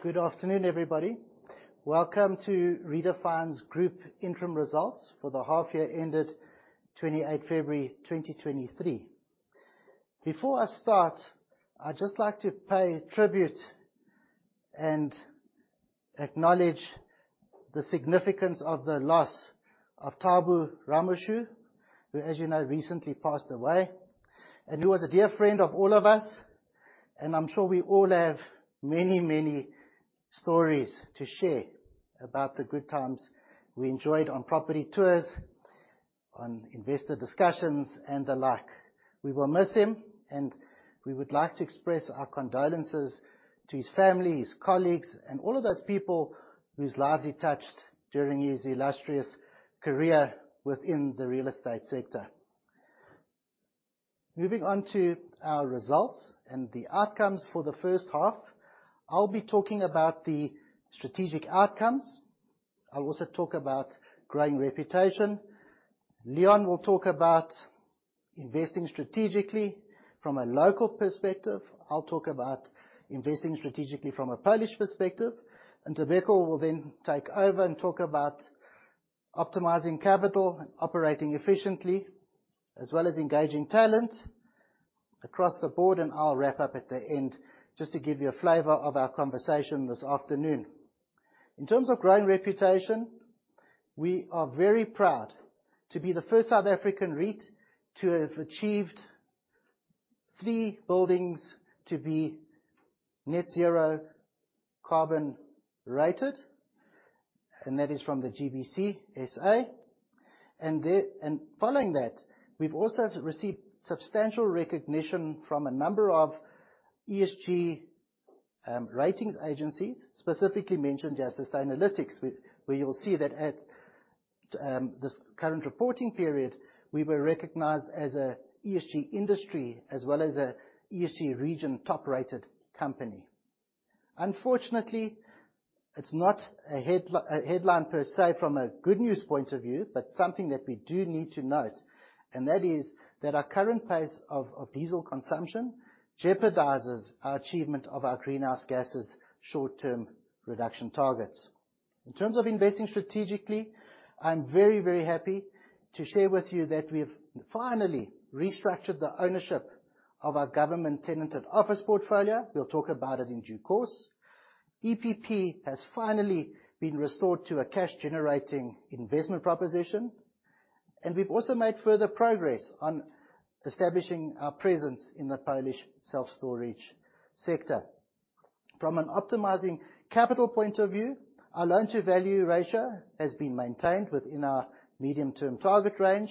Good afternoon, everybody. Welcome to Redefine’s group interim results for the half year ended 28 February 2023. Before I start, I'd just like to pay tribute and acknowledge the significance of the loss of Thabo Ramushu, who, as you know, recently passed away, and who was a dear friend of all of us. I'm sure we all have many, many stories to share about the good times we enjoyed on property tours, on investor discussions, and the like. We will miss him, and we would like to express our condolences to his family, his colleagues, and all of those people whose lives he touched during his illustrious career within the real estate sector. Moving on to our results and the outcomes for the first half. I'll be talking about the strategic outcomes. I'll also talk about growing reputation. Leon will talk about investing strategically from a local perspective. I'll talk about investing strategically from a Polish perspective. Ntobeko will then take over and talk about optimizing capital, operating efficiently, as well as engaging talent across the board, and I'll wrap up at the end, just to give you a flavor of our conversation this afternoon. In terms of growing reputation, we are very proud to be the first South African REIT to have achieved three buildings to be net zero carbon rated, and that is from the GBCSA. Following that, we've also received substantial recognition from a number of ESG ratings agencies, specifically Sustainalytics, where you'll see that at this current reporting period, we were recognized as an ESG industry as well as an ESG region top-rated company. Unfortunately, it's not a headline per se from a good news point of view, but something that we do need to note, and that is that our current pace of diesel consumption jeopardizes our achievement of our greenhouse gases short-term reduction targets. In terms of investing strategically, I'm very happy to share with you that we've finally restructured the ownership of our government tenanted office portfolio. We'll talk about it in due course. EPP has finally been restored to a cash-generating investment proposition. We've also made further progress on establishing our presence in the Polish self-storage sector. From an optimizing capital point of view, our loan-to-value ratio has been maintained within our medium-term target range.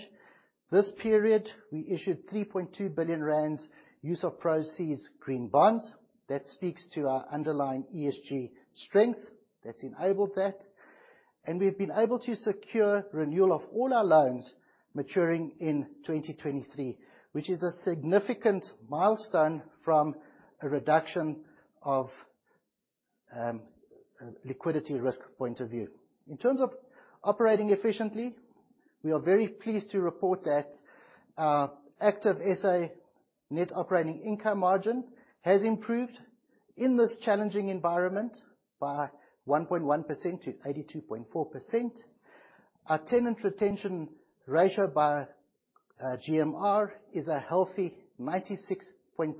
This period, we issued 3.2 billion rand use-of-proceeds green bonds. That speaks to our underlying ESG strength that's enabled that. We've been able to secure renewal of all our loans maturing in 2023, which is a significant milestone from a reduction of liquidity risk point of view. In terms of operating efficiently, we are very pleased to report that our active SA net operating income margin has improved in this challenging environment by 1.1%-82.4%. Our tenant retention ratio by GMR is a healthy 96.6%.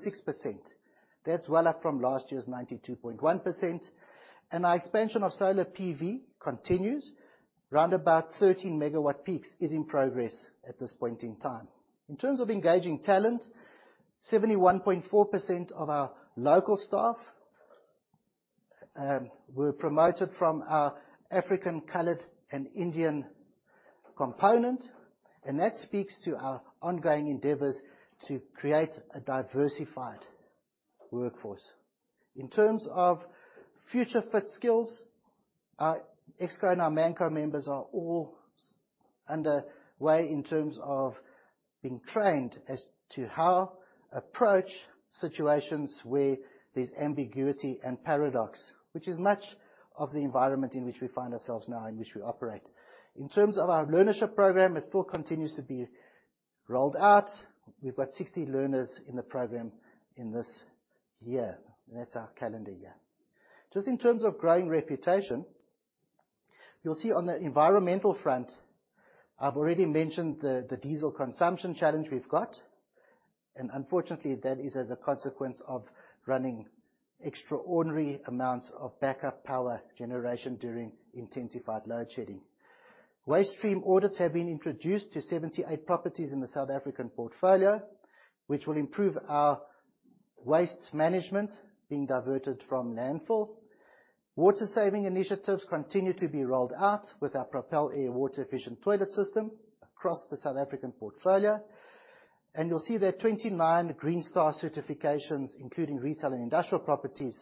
That's well up from last year's 92.1%. Our expansion of solar PV continues. Around about 13 MW peaks is in progress at this point in time. In terms of engaging talent, 71.4% of our local staff were promoted from our African colored and Indian component, and that speaks to our ongoing endeavors to create a diversified workforce. In terms of future fit skills, our Exco and Manco members are all underway in terms of being trained as to how to approach situations where there's ambiguity and paradox, which is much of the environment in which we find ourselves now in which we operate. In terms of our learnership program, it still continues to be rolled out. We've got 60 learners in the program in this year. That's our calendar year. Just in terms of growing reputation, you'll see on the environmental front, I've already mentioned the diesel consumption challenge we've got, and unfortunately, that is as a consequence of running extraordinary amounts of backup power generation during intensified load shedding. Waste stream audits have been introduced to 78 properties in the South African portfolio, which will improve our waste management being diverted from landfill. Water saving initiatives continue to be rolled out with our Propelair water-efficient toilet system across the South African portfolio. You'll see that 29 Green Star certifications, including retail and industrial properties,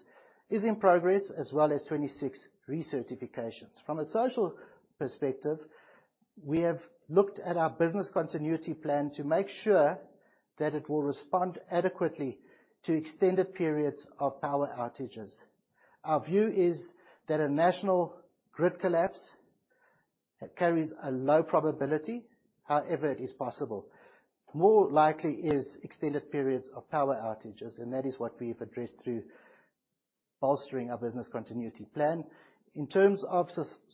is in progress, as well as 26 recertifications. From a social perspective, we have looked at our business continuity plan to make sure that it will respond adequately to extended periods of power outages. Our view is that a national grid collapse. It carries a low probability. However, it is possible. More likely is extended periods of power outages, and that is what we've addressed through bolstering our business continuity plan. In terms of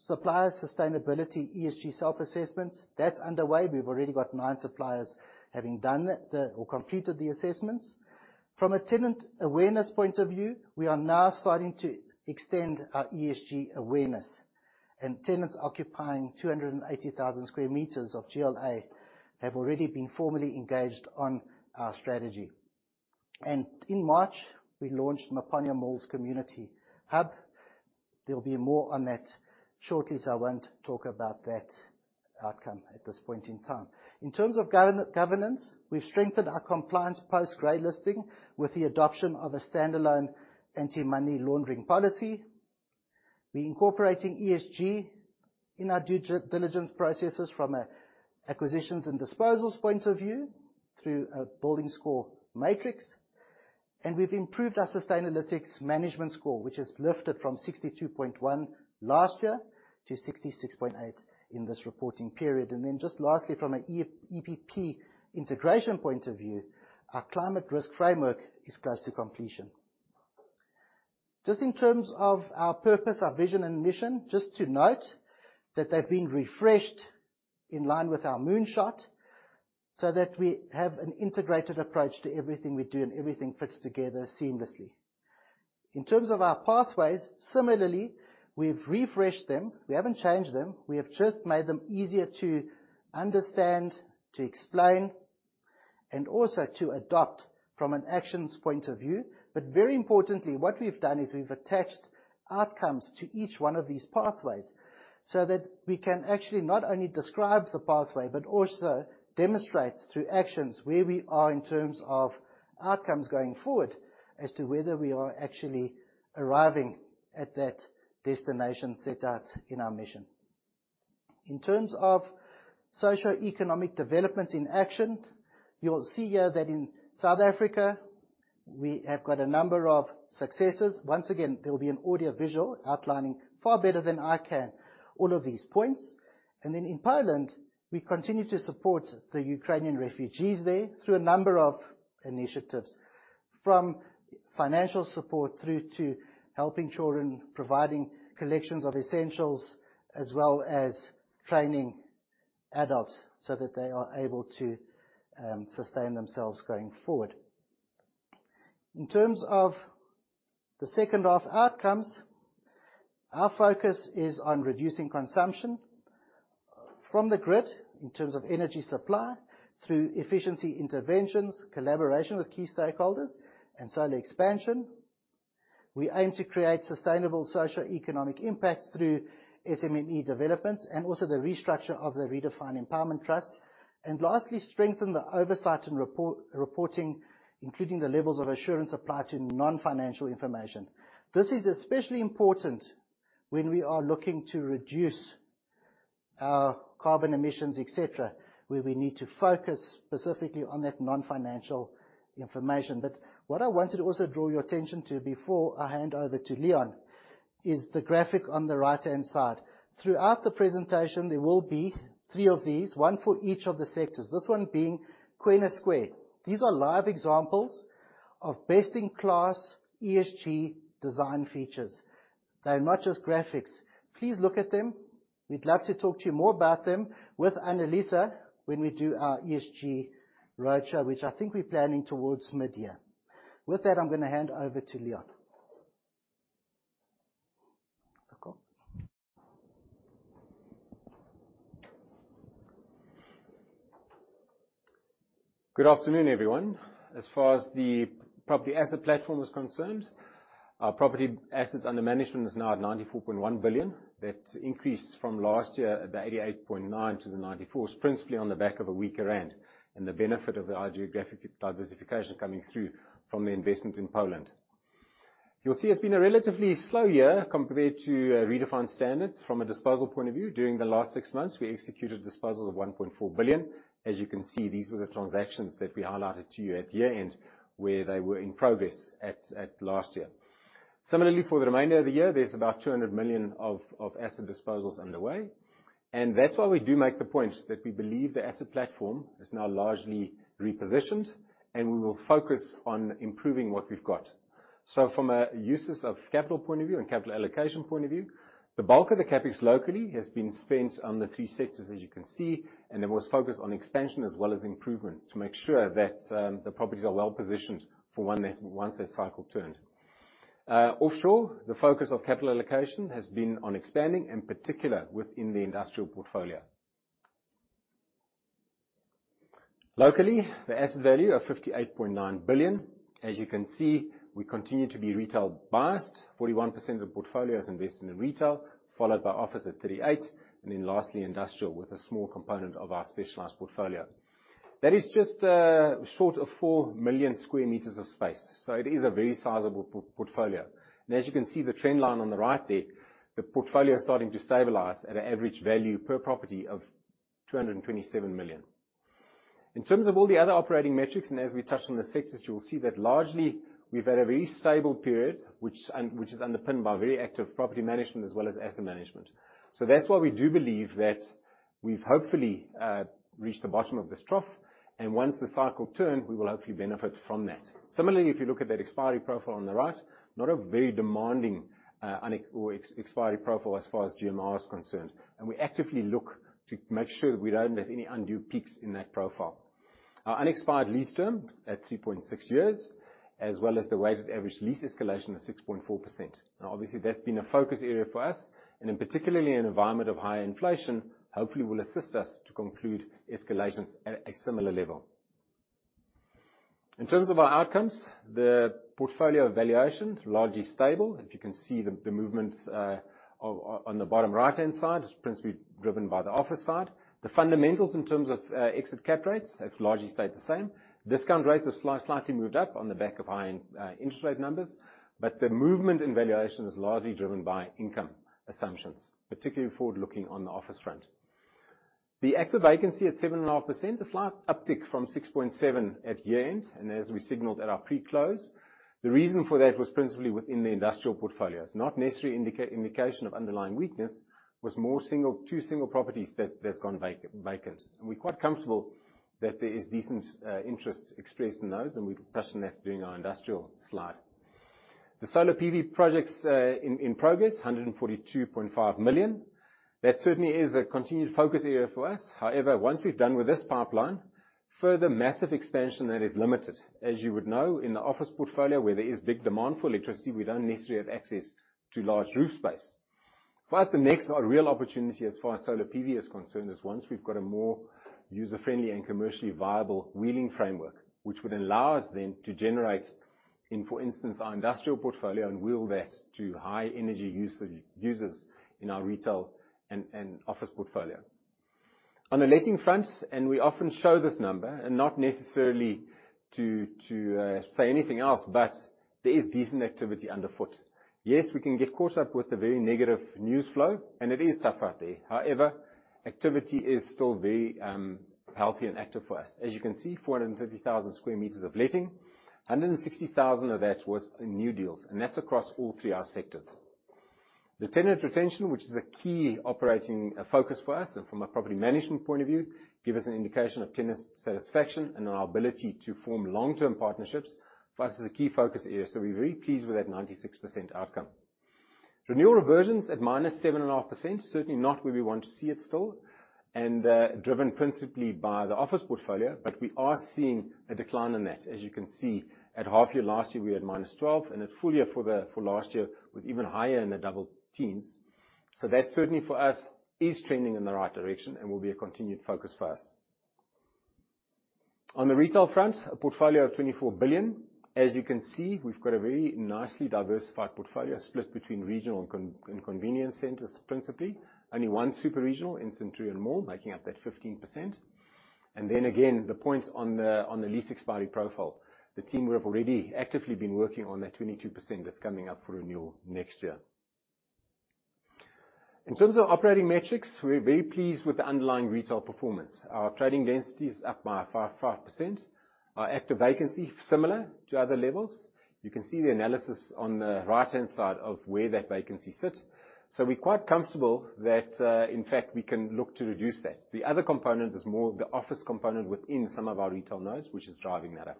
supplier sustainability, ESG self-assessments, that's underway. We've already got nine suppliers having done that or completed the assessments. From a tenant awareness point of view, we are now starting to extend our ESG awareness. Tenants occupying 280,000 sq m of GLA have already been formally engaged on our strategy. In March, we launched Maponya Mall's Community Hub. There'll be more on that shortly, so I won't talk about that outcome at this point in time. In terms of governance, we've strengthened our compliance post gray listing with the adoption of a standalone anti-money laundering policy. We're incorporating ESG in our due diligence processes from an acquisitions and disposals point of view through a building score matrix. We've improved our Sustainalytics management score, which has lifted from 62.1 last year to 66.8 in this reporting period. Then just lastly, from an EPP integration point of view, our climate risk framework is close to completion. Just in terms of our purpose, our vision, and mission, just to note that they've been refreshed in line with our moonshot so that we have an integrated approach to everything we do and everything fits together seamlessly. In terms of our pathways, similarly, we've refreshed them. We haven't changed them. We have just made them easier to understand, to explain, and also to adopt from an actions point of view. Very importantly, what we've done is we've attached outcomes to each one of these pathways so that we can actually not only describe the pathway, but also demonstrate through actions where we are in terms of outcomes going forward, as to whether we are actually arriving at that destination set out in our mission. In terms of socioeconomic developments in action, you'll see here that in South Africa, we have got a number of successes. Once again, there will be an audio visual outlining far better than I can all of these points. Then in Poland, we continue to support the Ukrainian refugees there through a number of initiatives, from financial support through to helping children, providing collections of essentials, as well as training adults so that they are able to sustain themselves going forward. In terms of the second half outcomes, our focus is on reducing consumption from the grid in terms of energy supply through efficiency interventions, collaboration with key stakeholders and solar expansion. We aim to create sustainable socio-economic impact through SMME developments and also the restructure of the Redefine Empowerment Trust. Lastly, strengthen the oversight and reporting, including the levels of assurance applied to non-financial information. This is especially important when we are looking to reduce our carbon emissions, et cetera, where we need to focus specifically on that non-financial information. What I wanted to also draw your attention to before I hand over to Leon, is the graphic on the right-hand side. Throughout the presentation, there will be three of these, one for each of the sectors, this one being Queen Square. These are live examples of best-in-class ESG design features. They're not just graphics. Please look at them. We'd love to talk to you more about them with Anelisa when we do our ESG roadshow, which I think we're planning towards mid-year. With that, I'm gonna hand over to Leon. Good afternoon, everyone. As far as the property asset platform is concerned, our property assets under management is now at 94.1 billion. That increased from last year at the 88.9 billion-94.1 billion, principally on the back of a weaker rand and the benefit of the geographic diversification coming through from the investment in Poland. You'll see it's been a relatively slow year compared to Redefine standards from a disposal point of view. During the last six months, we executed disposals of 1.4 billion. As you can see, these were the transactions that we highlighted to you at year-end, where they were in progress at last year. Similarly, for the remainder of the year, there's about 200 million of asset disposals underway. That's why we do make the point that we believe the asset platform is now largely repositioned and we will focus on improving what we've got. From a uses of capital point of view and capital allocation point of view, the bulk of the CapEx locally has been spent on the three sectors, as you can see, and there was focus on expansion as well as improvement to make sure that the properties are well-positioned for once that cycle turns. Offshore, the focus of capital allocation has been on expanding, in particular within the industrial portfolio. Locally, the asset value of 58.9 billion. As you can see, we continue to be retail biased. 41% of the portfolio is invested in retail, followed by office at 38%, and then lastly industrial with a small component of our specialized portfolio. That is just short of 4 million sq m of space, so it is a very sizable portfolio. As you can see the trend line on the right there, the portfolio is starting to stabilize at an average value per property of 227 million. In terms of all the other operating metrics, and as we touched on the sectors, you will see that largely we've had a very stable period, which is underpinned by very active property management as well as asset management. That's why we do believe that we've hopefully reached the bottom of this trough, and once the cycle turn, we will hopefully benefit from that. Similarly, if you look at that expiry profile on the right, not a very demanding unexpired expiry profile as far as GMR is concerned, and we actively look to make sure that we don't have any undue peaks in that profile. Our unexpired lease term at 3.6 years, as well as the weighted average lease escalation of 6.4%. Now, obviously, that's been a focus area for us, and particularly in an environment of higher inflation, hopefully will assist us to conclude escalations at a similar level. In terms of our outcomes, the portfolio valuation is largely stable. If you can see the movements on the bottom right-hand side is principally driven by the office side. The fundamentals in terms of exit cap rates have largely stayed the same. Discount rates have slightly moved up on the back of high interest rate numbers, but the movement in valuation is largely driven by income assumptions, particularly forward-looking on the office front. The active vacancy at 7.5%, a slight uptick from 6.7% at year-end, and as we signaled at our pre-close. The reason for that was principally within the industrial portfolios. Not necessarily indication of underlying weakness, was more two single properties that have gone vacant. We're quite comfortable that there is decent interest expressed in those, and we'll touch on that during our industrial slide. The solar PV projects in progress, 142.5 million. That certainly is a continued focus area for us. However, once we're done with this pipeline, further massive expansion, that is limited. As you would know, in the office portfolio, where there is big demand for electricity, we don't necessarily have access to large roof space. For us, the next real opportunity as far as solar PV is concerned is once we've got a more user-friendly and commercially viable wheeling framework, which would allow us then to generate in, for instance, our industrial portfolio and wheel that to high energy users in our retail and office portfolio. On the letting front, we often show this number, and not necessarily to say anything else, but there is decent activity underfoot. Yes, we can get caught up with the very negative news flow, and it is tough out there. However, activity is still very healthy and active for us. As you can see, 450,000 sq m of letting. 160,000 of that was in new deals, and that's across all three of our sectors. The tenant retention, which is a key operating focus for us and from a property management point of view, give us an indication of tenant satisfaction and our ability to form long-term partnerships, for us is a key focus area. We're very pleased with that 96% outcome. Renewal reversions at -7.5%, certainly not where we want to see it still, and driven principally by the office portfolio, but we are seeing a decline in that. As you can see, at half year last year, we had -12%, and at full year last year was even higher in the double teens. That certainly for us is trending in the right direction and will be a continued focus for us. On the retail front, a portfolio of 24 billion. As you can see, we've got a very nicely diversified portfolio split between regional and community and convenience centers, principally. Only one superregional in Centurion Mall, making up that 15%. Then again, the points on the lease expiry profile. The team have already actively been working on that 22% that's coming up for renewal next year. In terms of operating metrics, we're very pleased with the underlying retail performance. Our trading density is up by 5.5%. Our active vacancy, similar to other levels. You can see the analysis on the right-hand side of where that vacancy sits. We're quite comfortable that, in fact, we can look to reduce that. The other component is more of the office component within some of our retail nodes, which is driving that up.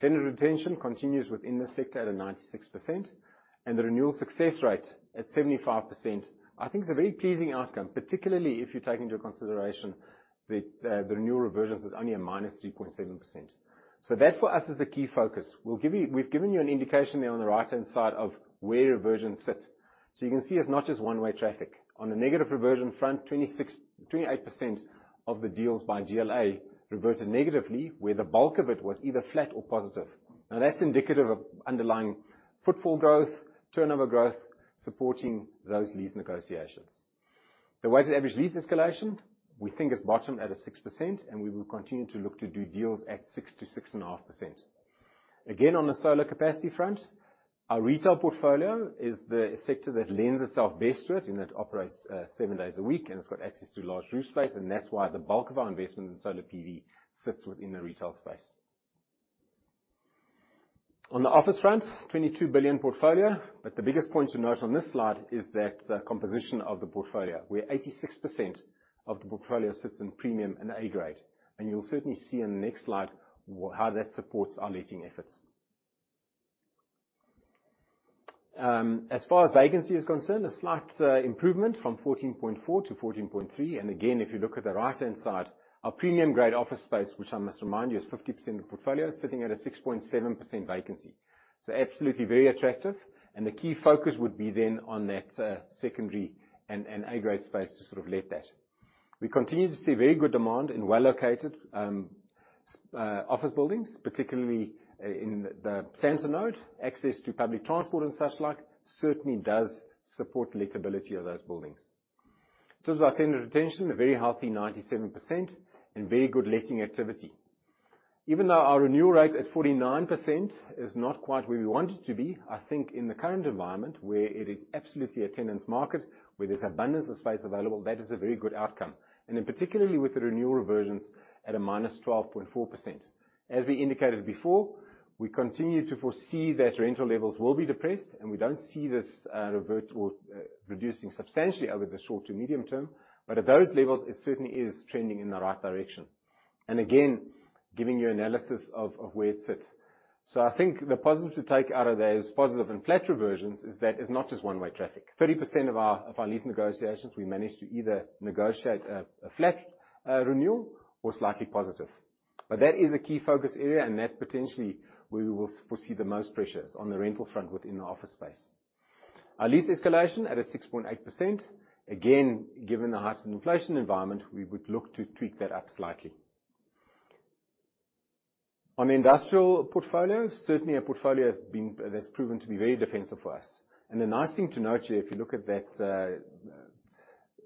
Tenant retention continues within the sector at a 96%, and the renewal success rate at 75%. I think it's a very pleasing outcome, particularly if you take into consideration the renewal reversions is only a -3.7%. That, for us, is a key focus. We've given you an indication there on the right-hand side of where reversion sits. You can see it's not just one-way traffic. On the negative reversion front, 26%-28% of the deals by GLA reverted negatively, where the bulk of it was either flat or positive. That's indicative of underlying footfall growth, turnover growth, supporting those lease negotiations. The weighted average lease escalation, we think has bottomed at a 6%, and we will continue to look to do deals at 6%-6.5%. Again, on the solar capacity front, our retail portfolio is the sector that lends itself best to it, in that it operates seven days a week and it's got access to large roof space, and that's why the bulk of our investment in solar PV sits within the retail space. On the office front, 22 billion portfolio, but the biggest point to note on this slide is that composition of the portfolio, where 86% of the portfolio sits in premium and A grade. You'll certainly see in the next slide how that supports our letting efforts. As far as vacancy is concerned, a slight improvement from 14.4%-14.3%. Again, if you look at the right-hand side, our premium grade office space, which I must remind you is 50% of the portfolio, sitting at a 6.7% vacancy. Absolutely very attractive, and the key focus would be then on that, secondary and A grade space to sort of let that. We continue to see very good demand in well-located office buildings, particularly in the Sandton node. Access to public transport and such like certainly does support lettability of those buildings. In terms of our tenant retention, a very healthy 97% and very good letting activity. Even though our renewal rate at 49% is not quite where we want it to be, I think in the current environment, where it is absolutely a tenant's market, where there's abundance of space available, that is a very good outcome. In particular with the reversion rates at a -12.4%. We indicated before, we continue to foresee that rental levels will be depressed, and we don't see this revert or reducing substantially over the short to medium term. At those levels, it certainly is trending in the right direction. Again, giving you analysis of where it sits. I think the positive to take out of those positive and flat reversions is that it's not just one-way traffic. 30% of our lease negotiations, we managed to either negotiate a flat renewal or slightly positive. That is a key focus area, and that's potentially where we will foresee the most pressures on the rental front within the office space. Our lease escalation at a 6.8%, again, given the heightened inflation environment, we would look to tweak that up slightly. On the industrial portfolio, certainly a portfolio has been that's proven to be very defensive for us. The nice thing to note here, if you look at that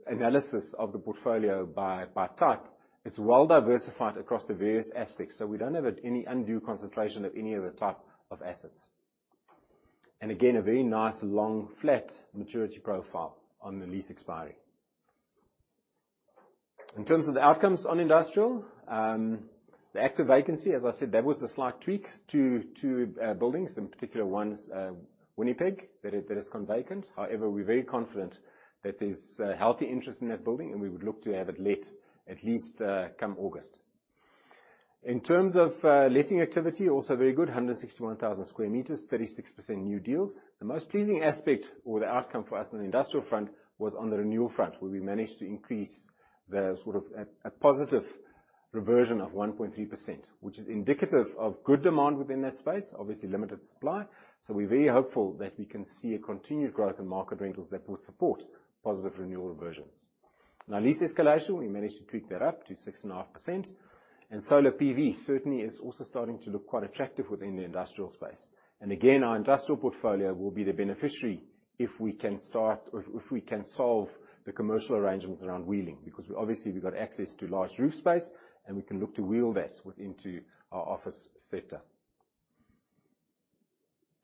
analysis of the portfolio by type, it's well diversified across the various aspects. We don't have any undue concentration of any other type of assets. Again, a very nice long flat maturity profile on the lease expiry. In terms of the outcomes on industrial, the active vacancy, as I said, there was the slight tweaks to buildings. In particular, one's Wynberg that has gone vacant. However, we're very confident that there's healthy interest in that building, and we would look to have it let at least come August. In terms of letting activity, also very good, 161,000 sq m, 36% new deals. The most pleasing aspect or the outcome for us on the industrial front was on the renewal front, where we managed to increase to a positive reversion of 1.3%, which is indicative of good demand within that space, obviously limited supply. We're very hopeful that we can see a continued growth in market rentals that will support positive renewal reversions. Now, lease escalation, we managed to tweak that up to 6.5%. Solar PV certainly is also starting to look quite attractive within the industrial space. Again, our industrial portfolio will be the beneficiary if we can start or if we can solve the commercial arrangements around wheeling, because obviously we've got access to large roof space, and we can look to wheel that within to our office sector.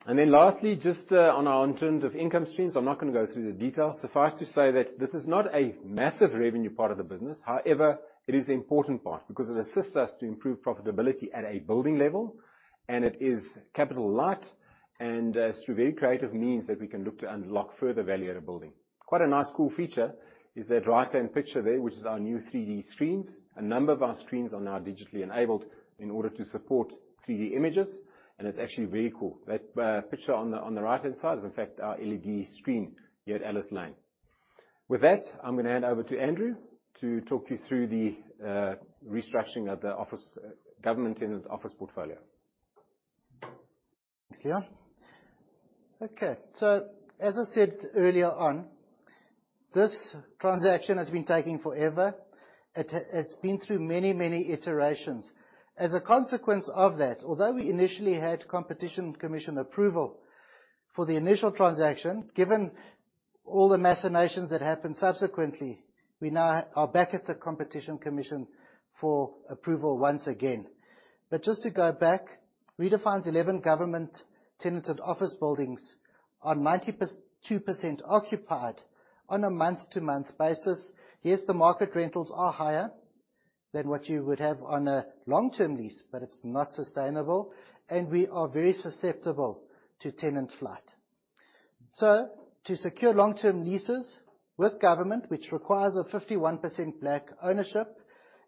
Lastly, just in terms of income streams, I'm not gonna go through the details. Suffice to say that this is not a massive revenue part of the business. However, it is an important part because it assists us to improve profitability at a building level, and it is capital light and through very creative means that we can look to unlock further value at a building. Quite a nice cool feature is that right-hand picture there, which is our new 3D screens. A number of our screens are now digitally enabled in order to support 3D images, and it's actually very cool. That picture on the right-hand side is in fact our LED screen here at Alice Lane. With that, I'm gonna hand over to Andrew to talk you through the restructuring of the office government tenanted office portfolio. Thanks, Leon. Okay, so as I said earlier on, this transaction has been taking forever. It's been through many, many iterations. As a consequence of that, although we initially had Competition Commission approval for the initial transaction, given all the machinations that happened subsequently, we now are back at the Competition Commission for approval once again. Just to go back, Redefine's 11 government tenanted office buildings are 92% occupied on a month-to-month basis. Yes, the market rentals are higher than what you would have on a long-term lease, but it's not sustainable, and we are very susceptible to tenant flight. To secure long-term leases with government, which requires a 51% black ownership,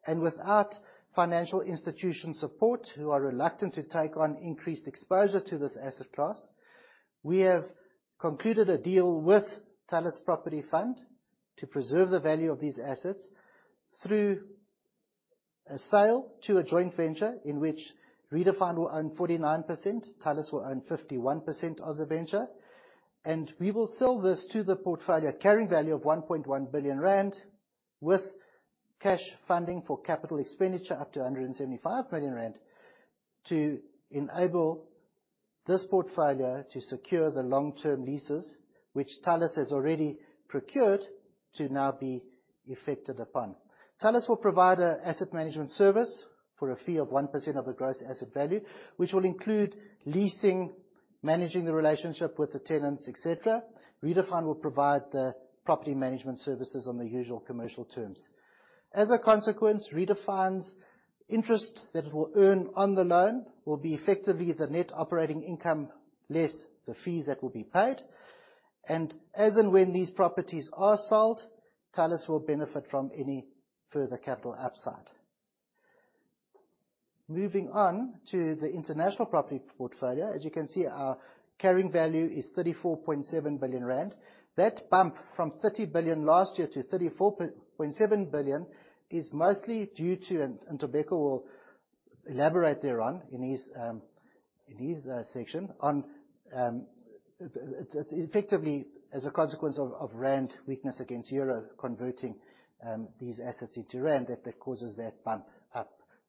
and without financial institution support who are reluctant to take on increased exposure to this asset class, we have concluded a deal with Talis Property Fund to preserve the value of these assets through a sale to a joint venture in which Redefine will own 49%, Talis will own 51% of the venture. We will sell this to the portfolio carrying value of 1.1 billion rand with cash funding for capital expenditure up to 175 million rand to enable this portfolio to secure the long-term leases which Talis has already procured to now be effected upon. Talis will provide an asset management service for a fee of 1% of the gross asset value, which will include leasing, managing the relationship with the tenants, et cetera. Redefine will provide the property management services on the usual commercial terms. As a consequence, Redefine's interest that it will earn on the loan will be effectively the net operating income less the fees that will be paid. As and when these properties are sold, Talis will benefit from any further capital upside. Moving on to the international property portfolio. As you can see, our carrying value is 34.7 billion rand. That bump from 30 billion last year to 34.7 billion is mostly due to, and Ntobeko will elaborate thereon in his section on it. It's effectively as a consequence of rand weakness against euro, converting these assets into rand that causes that bump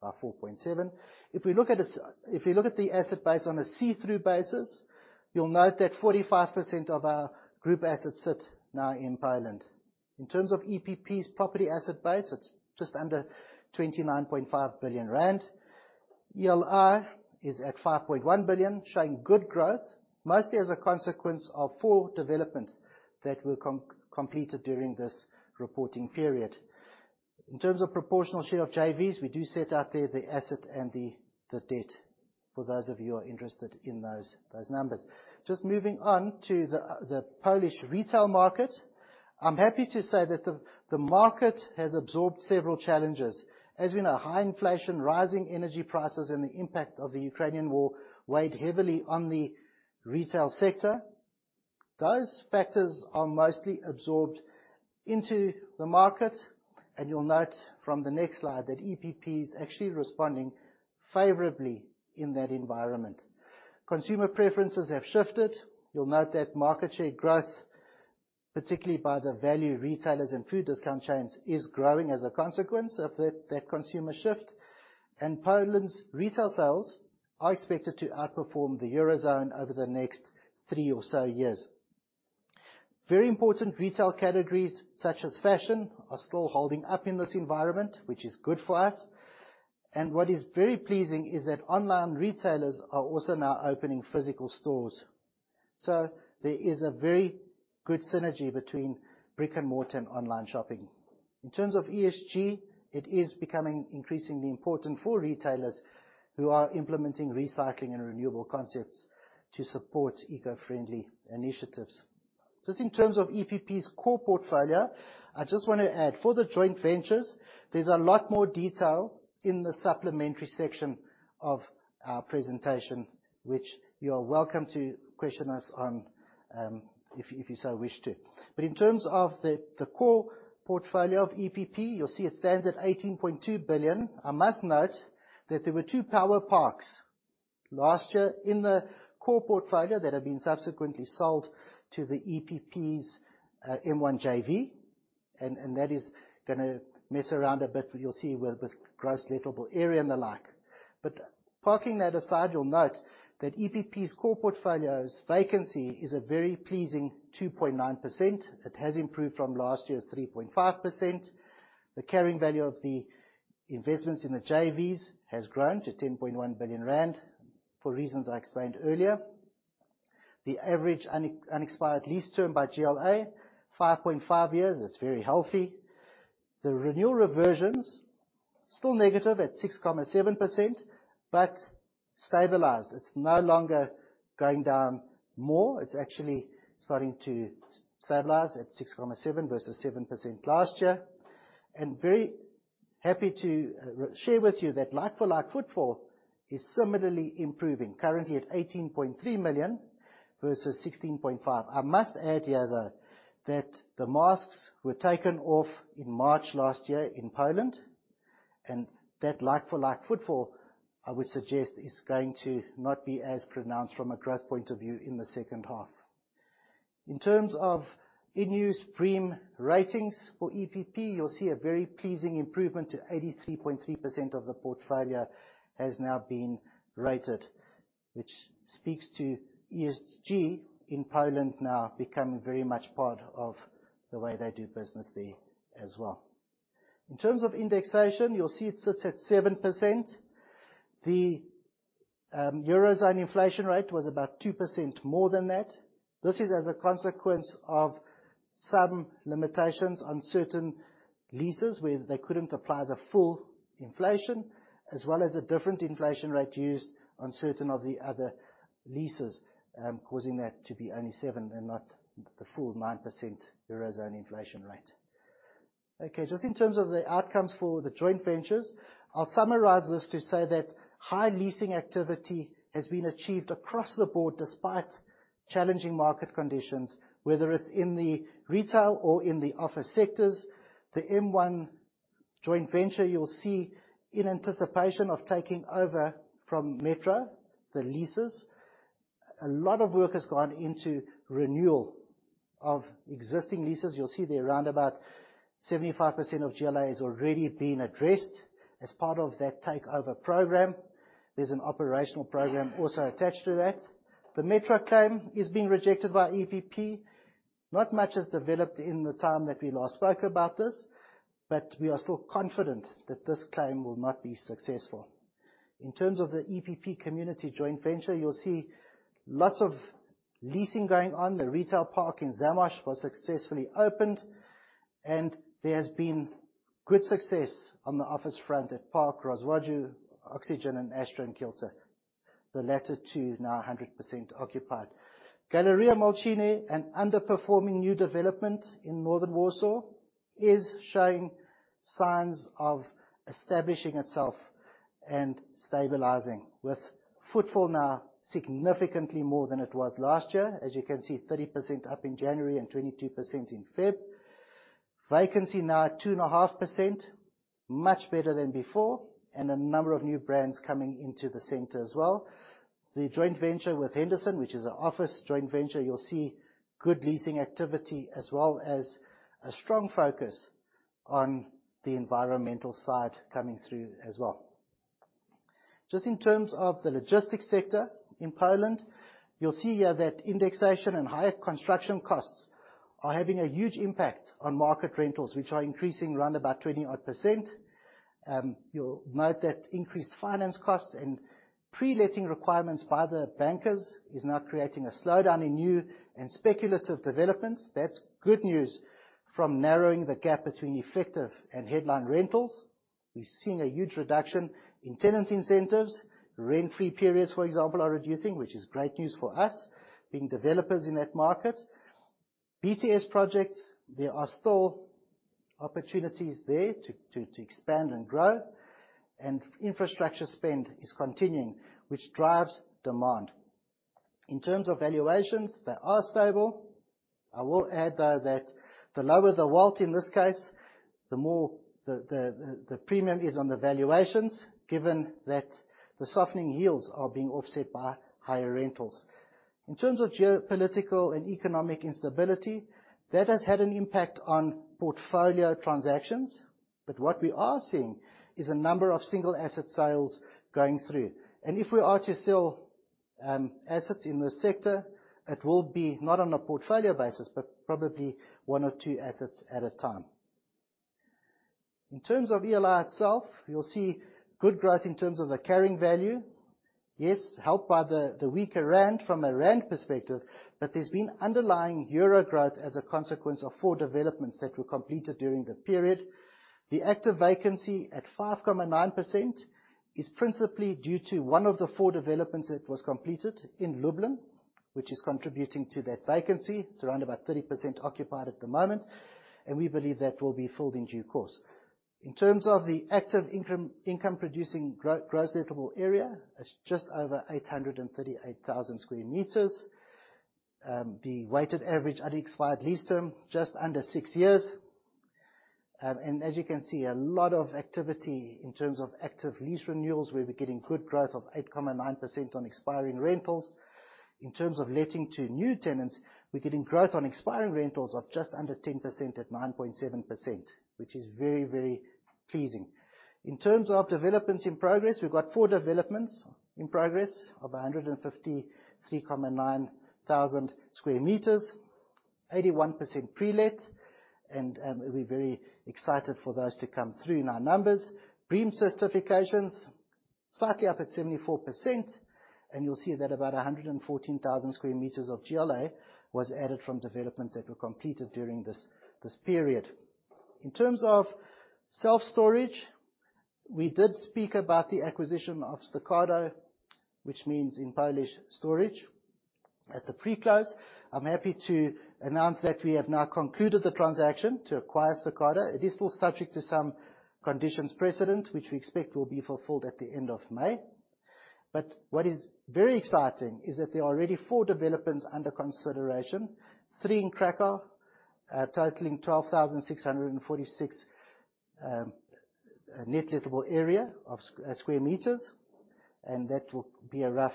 up by 4.7. If we look at this, if you look at the asset base on a see-through basis, you'll note that 45% of our group assets sit now in Thailand. In terms of EPP's property asset base, it's just under 29.5 billion rand. ELI is at 5.1 billion, showing good growth, mostly as a consequence of four developments that were completed during this reporting period. In terms of proportional share of JVs, we do set out there the asset and the debt, for those of you who are interested in those numbers. Just moving on to the Polish retail market. I'm happy to say that the market has absorbed several challenges. As we know, high inflation, rising energy prices, and the impact of the Ukrainian war weighed heavily on the retail sector. Those factors are mostly absorbed into the market. You'll note from the next slide that EPP is actually responding favorably in that environment. Consumer preferences have shifted. You'll note that market share growth, particularly by the value retailers and food discount chains, is growing as a consequence of that consumer shift. Poland's retail sales are expected to outperform the Eurozone over the next three or so years. Very important retail categories, such as fashion, are still holding up in this environment, which is good for us. What is very pleasing is that online retailers are also now opening physical stores. There is a very good synergy between brick-and-mortar and online shopping. In terms of ESG, it is becoming increasingly important for retailers who are implementing recycling and renewable concepts to support eco-friendly initiatives. Just in terms of EPP's core portfolio, I just wanna add, for the joint ventures, there's a lot more detail in the supplementary section of our presentation, which you are welcome to question us on, if you so wish to. In terms of the core portfolio of EPP, you'll see it stands at 18.2 billion. I must note that there were two power parks last year in the core portfolio that have been subsequently sold to the EPP's M1 JV. That is gonna mess around a bit, but you'll see with gross lettable area and the like. Parking that aside, you'll note that EPP's core portfolio's vacancy is a very pleasing 2.9%. It has improved from last year's 3.5%. The carrying value of the investments in the JVs has grown to 10.1 billion rand, for reasons I explained earlier. The average unexpired lease term by GLA, 5.5 years. It's very healthy. The renewal reversions, still negative at 6.7%, but stabilized. It's no longer going down more. It's actually starting to stabilize at 6.7% versus 7% last year. Very happy to share with you that like-for-like footfall is similarly improving, currently at 18.3 million versus 16.5 million. I must add here, though, that the masks were taken off in March last year in Poland, and that like-for-like footfall, I would suggest, is going to not be as pronounced from a growth point of view in the second half. In terms of in new BREEAM ratings for EPP, you'll see a very pleasing improvement to 83.3% of the portfolio has now been rated, which speaks to ESG in Poland now becoming very much part of the way they do business there as well. In terms of indexation, you'll see it sits at 7%. The Eurozone inflation rate was about 2% more than that. This is as a consequence of some limitations on certain leases where they couldn't apply the full inflation, as well as a different inflation rate used on certain of the other leases, causing that to be only seven and not the full 9% Eurozone inflation rate. Okay, just in terms of the outcomes for the joint ventures, I'll summarize this to say that high leasing activity has been achieved across the board despite challenging market conditions, whether it's in the retail or in the office sectors. The M1 joint venture, you'll see in anticipation of taking over from Metro, the leases, a lot of work has gone into renewal of existing leases. You'll see there around about 75% of GLA is already being addressed as part of that takeover program. There's an operational program also attached to that. The Metro claim is being rejected by EPP. Not much has developed in the time that we last spoke about this, but we are still confident that this claim will not be successful. In terms of the EPP Community joint venture, you'll see lots of leasing going on. The retail park in Zamość was successfully opened, and there's been good success on the office front at Park Rozwadów, Oxygen, and Astra in Kielce. The latter two now 100% occupied. Galeria Młociny, an underperforming new development in northern Warsaw, is showing signs of establishing itself and stabilizing, with footfall now significantly more than it was last year. As you can see, 30% up in January and 22% in February. Vacancy now at 2.5%, much better than before, and a number of new brands coming into the center as well. The joint venture with Heitman, which is an office joint venture, you'll see good leasing activity, as well as a strong focus on the environmental side coming through as well. Just in terms of the logistics sector in Poland, you'll see here that indexation and higher construction costs are having a huge impact on market rentals, which are increasing around 20-odd%. You'll note that increased finance costs and pre-letting requirements by the bankers is now creating a slowdown in new and speculative developments. That's good news from narrowing the gap between effective and headline rentals. We've seen a huge reduction in tenant incentives. Rent-free periods, for example, are reducing, which is great news for us, being developers in that market. BTS projects, there are still opportunities there to expand and grow, and infrastructure spend is continuing, which drives demand. In terms of valuations, they are stable. I will add, though, that the lower the WALE in this case, the more the premium is on the valuations, given that the softening yields are being offset by higher rentals. In terms of geopolitical and economic instability, that has had an impact on portfolio transactions. What we are seeing is a number of single asset sales going through. If we are to sell, assets in this sector, it will be not on a portfolio basis, but probably one or two assets at a time. In terms of ELI itself, you'll see good growth in terms of the carrying value. Yes, helped by the weaker rand from a rand perspective, but there's been underlying euro growth as a consequence of four developments that were completed during the period. The active vacancy at 5.9% is principally due to one of the four developments that was completed in Lublin, which is contributing to that vacancy. It's around about 30% occupied at the moment, and we believe that will be filled in due course. In terms of the income-producing gross lettable area, it's just over 838,000 sq m. The weighted average unexpired lease term, just under six years. And as you can see, a lot of activity in terms of active lease renewals, where we're getting good growth of 8.9% on expiring rentals. In terms of letting to new tenants, we're getting growth on expiring rentals of just under 10% at 9.7%, which is very, very pleasing. In terms of developments in progress, we've got four developments in progress of 153,900 sq m, 81% pre-let, and we're very excited for those to come through in our numbers. BREEAM certifications, slightly up at 74%, and you'll see that about 114,000 sq m of GLA was added from developments that were completed during this period. In terms of self-storage, we did speak about the acquisition of Stokado, which means in Polish, storage, at the pre-close. I'm happy to announce that we have now concluded the transaction to acquire Stokado. It is still subject to some conditions precedent, which we expect will be fulfilled at the end of May. What is very exciting is that there are already four developments under consideration. Three in Kraków, totaling 12,646 sq m, and that will be a rough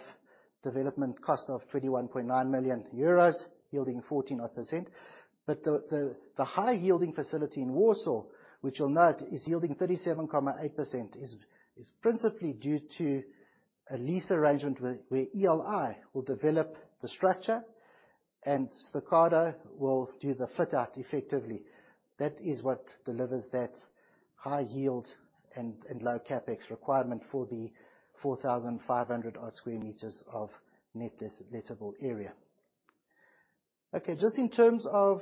development cost of 21.9 million euros, yielding 14-odd%. The high-yielding facility in Warsaw, which you'll note is yielding 37.8%, is principally due to a lease arrangement where ELI will develop the structure and Stokado will do the fit-out effectively. That is what delivers that high yield and low CapEx requirement for the 4,500-odd sq m of net lettable area. Okay, just in terms of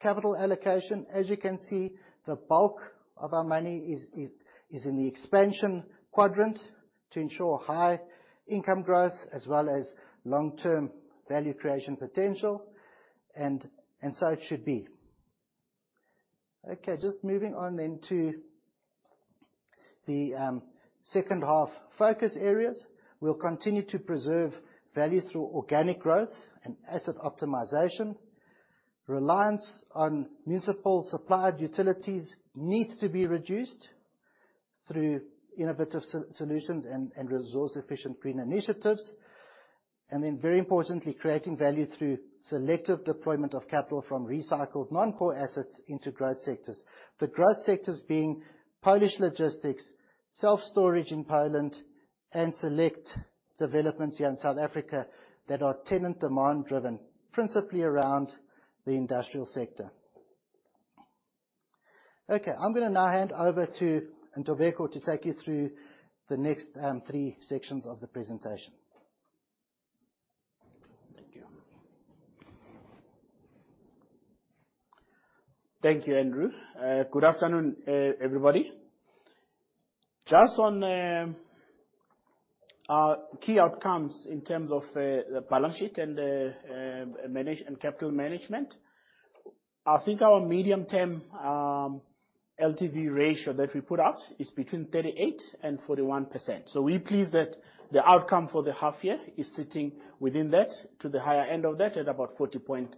capital allocation, as you can see, the bulk of our money is in the expansion quadrant to ensure high income growth as well as long-term value creation potential, and so it should be. Okay, just moving on to the second half focus areas. We'll continue to preserve value through organic growth and asset optimization. Reliance on municipal supplied utilities needs to be reduced through innovative solutions and resource-efficient green initiatives. Very importantly, creating value through selective deployment of capital from recycled non-core assets into growth sectors. The growth sectors being Polish logistics, self-storage in Poland, and select developments here in South Africa that are tenant demand driven, principally around the industrial sector. Okay, I'm gonna now hand over to Ntobeko to take you through the next three sections of the presentation. Thank you. Thank you, Andrew. Good afternoon, everybody. Just on key outcomes in terms of the balance sheet and capital management. I think our medium-term LTV ratio that we put out is between 38% and 41%. We're pleased that the outcome for the half year is sitting within that to the higher end of that at about 40.9%.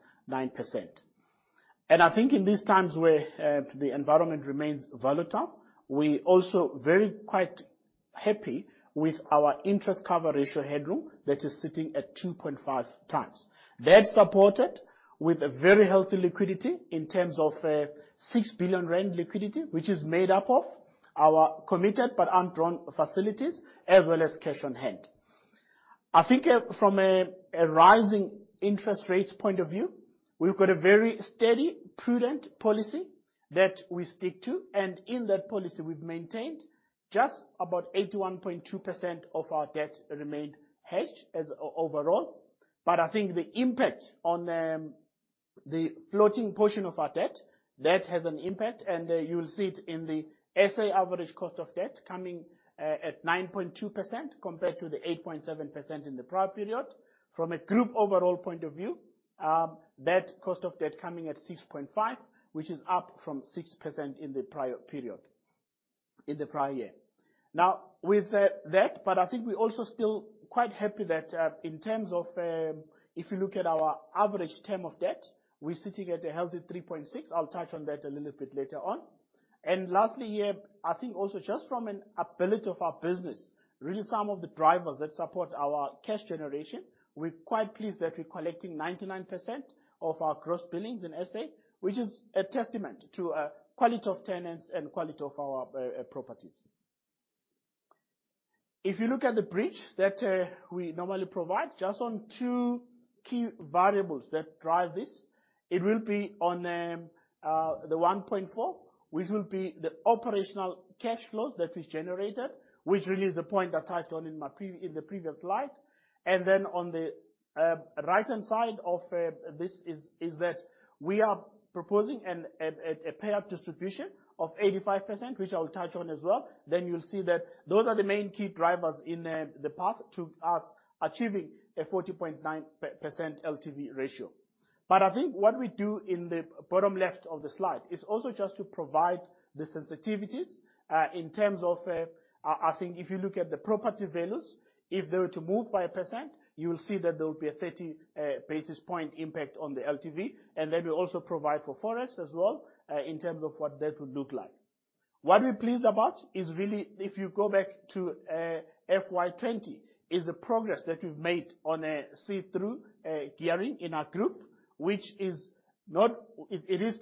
I think in these times where the environment remains volatile, we're also very quite happy with our interest cover ratio headroom that is sitting at 2.5x. That's supported with a very healthy liquidity in terms of 6 billion rand liquidity, which is made up of our committed but undrawn facilities as well as cash on hand. I think from a rising interest rates point of view, we've got a very steady, prudent policy that we stick to, and in that policy, we've maintained just about 81.2% of our debt remained hedged as overall. But I think the impact on the floating portion of our debt, that has an impact, and you'll see it in the SA average cost of debt coming at 9.2% compared to the 8.7% in the prior period. From a group overall point of view, that cost of debt coming at 6.5%, which is up from 6% in the prior period, in the prior year. Now with that, but I think we're also still quite happy that in terms of if you look at our average term of debt, we're sitting at a healthy 3.6. I'll touch on that a little bit later on. Lastly here, I think also just from an ability of our business, really some of the drivers that support our cash generation, we're quite pleased that we're collecting 99% of our gross billings in SA, which is a testament to quality of tenants and quality of our properties. If you look at the bridge that we normally provide just on two key variables that drive this, it will be on the 1.4, which will be the operational cash flows that we've generated, which really is the point I touched on in the previous slide. On the right-hand side of this is that we are proposing a payout distribution of 85%, which I'll touch on as well. You'll see that those are the main key drivers in the path to us achieving a 40.9% LTV ratio. I think what we do in the bottom left of the slide is also just to provide the sensitivities in terms of I think if you look at the property values, if they were to move by 1%, you'll see that there will be a 30 basis point impact on the LTV, and that will also provide for forex as well in terms of what that would look like. What we're pleased about is really, if you go back to FY 2020, the progress that we've made on a see-through gearing in our group, which is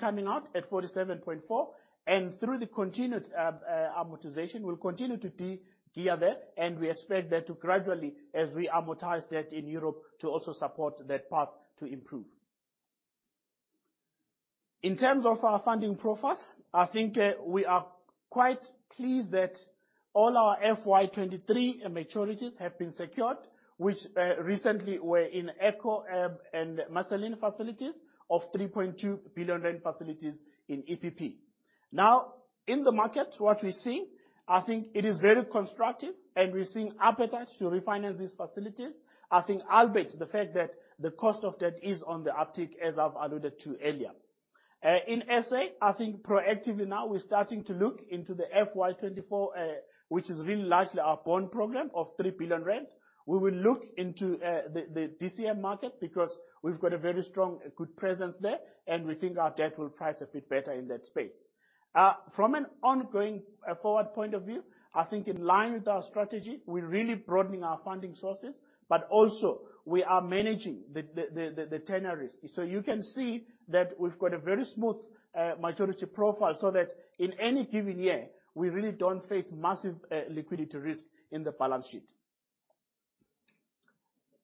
coming out at 47.4, and through the continued amortization, we'll continue to degear that, and we expect that to gradually as we amortize that in Europe to also support that path to improve. In terms of our funding profile, I think we are quite pleased that all our FY 2023 maturities have been secured, which recently were in Echo and Marcelin facilities of 3.2 billion rand facilities in EPP. Now, in the market, what we see, I think it is very constructive, and we're seeing appetite to refinance these facilities. I think albeit the fact that the cost of debt is on the uptick, as I've alluded to earlier. In SA, I think proactively now we're starting to look into the FY 2024, which is really largely our bond program of 3 billion rand. We will look into the DCM market because we've got a very strong, good presence there, and we think our debt will price a bit better in that space. From an ongoing forward point of view, I think in line with our strategy, we're really broadening our funding sources, but also we are managing the tenor risk. You can see that we've got a very smooth maturity profile, so that in any given year, we really don't face massive liquidity risk in the balance sheet.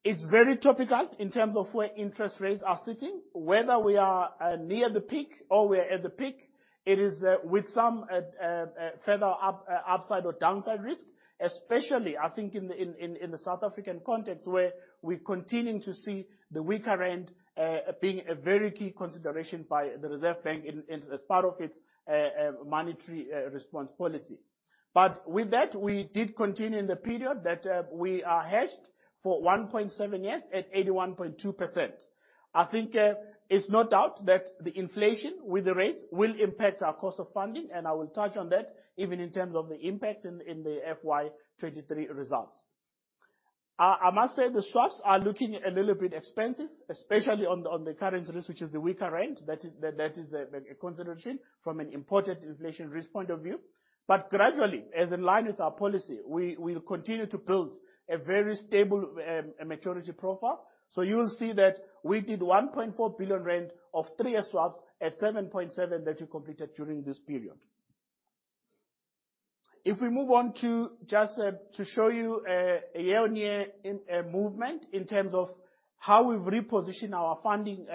It's very topical in terms of where interest rates are sitting, whether we are near the peak or we're at the peak. It is with some further upside or downside risk, especially I think in the South African context, where we're continuing to see the weaker rand being a very key consideration by the Reserve Bank in as part of its monetary response policy. With that, we did continue in the period that we are hedged for 1.7 years at 81.2%. I think, there's no doubt that the inflation with the rates will impact our cost of funding, and I will touch on that even in terms of the impact in the FY 2023 results. I must say, the swaps are looking a little bit expensive, especially on the currency risk, which is the weaker rand. That is a consideration from an imported inflation risk point of view. Gradually, as in line with our policy, we will continue to build a very stable maturity profile. You'll see that we did 1.4 billion rand of three-year swaps at 7.7% that we completed during this period. If we move on to show you a year-on-year movement in terms of how we've repositioned our funding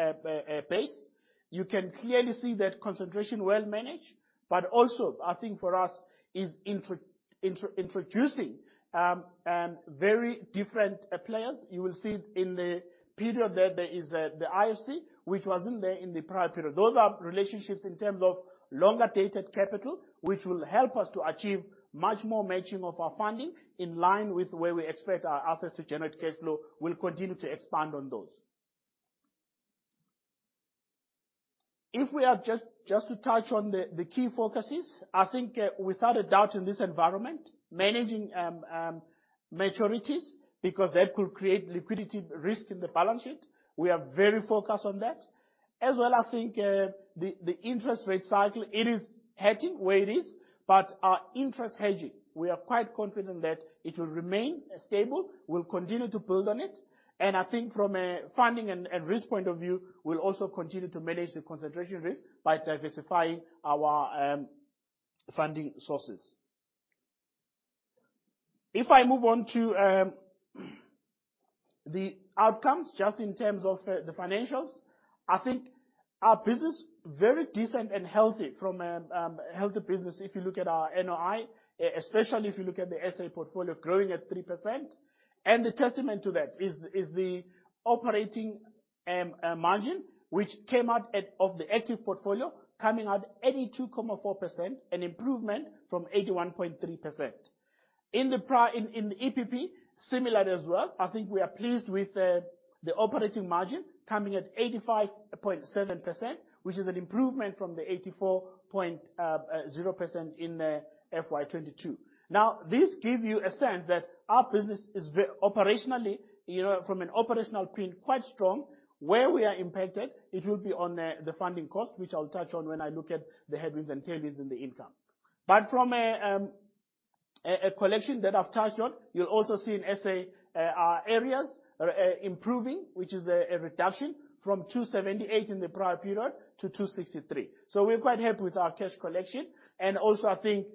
base, you can clearly see that concentration well managed, but also I think for us is introducing very different players. You will see in the period there is the IFC, which wasn't there in the prior period. Those are relationships in terms of longer-dated capital, which will help us to achieve much more matching of our funding in line with where we expect our assets to generate cash flow. We'll continue to expand on those. If we are just to touch on the key focuses, I think without a doubt in this environment, managing maturities because that could create liquidity risk in the balance sheet. We are very focused on that. As well, I think the interest rate cycle, it is heading where it is, but our interest hedging, we are quite confident that it will remain stable. We'll continue to build on it. I think from a funding and risk point of view, we'll also continue to manage the concentration risk by diversifying our funding sources. If I move on to the outcomes, just in terms of the financials, I think our business very decent and healthy from a healthy business if you look at our NOI, especially if you look at the SA portfolio growing at 3%. A testament to that is the operating margin, which came out at 82.4% of the active portfolio, an improvement from 81.3%. In EPP, similar as well. I think we are pleased with the operating margin coming at 85.7%, which is an improvement from the 84.0% in FY 2022. Now, this give you a sense that our business is operationally, you know, from an operational point, quite strong. Where we are impacted, it will be on the funding cost, which I'll touch on when I look at the headwinds and tailwinds in the income. From a collection that I've touched on, you'll also see in SA our areas are improving, which is a reduction from 278 in the prior period to 263. So we're quite happy with our cash collection. I think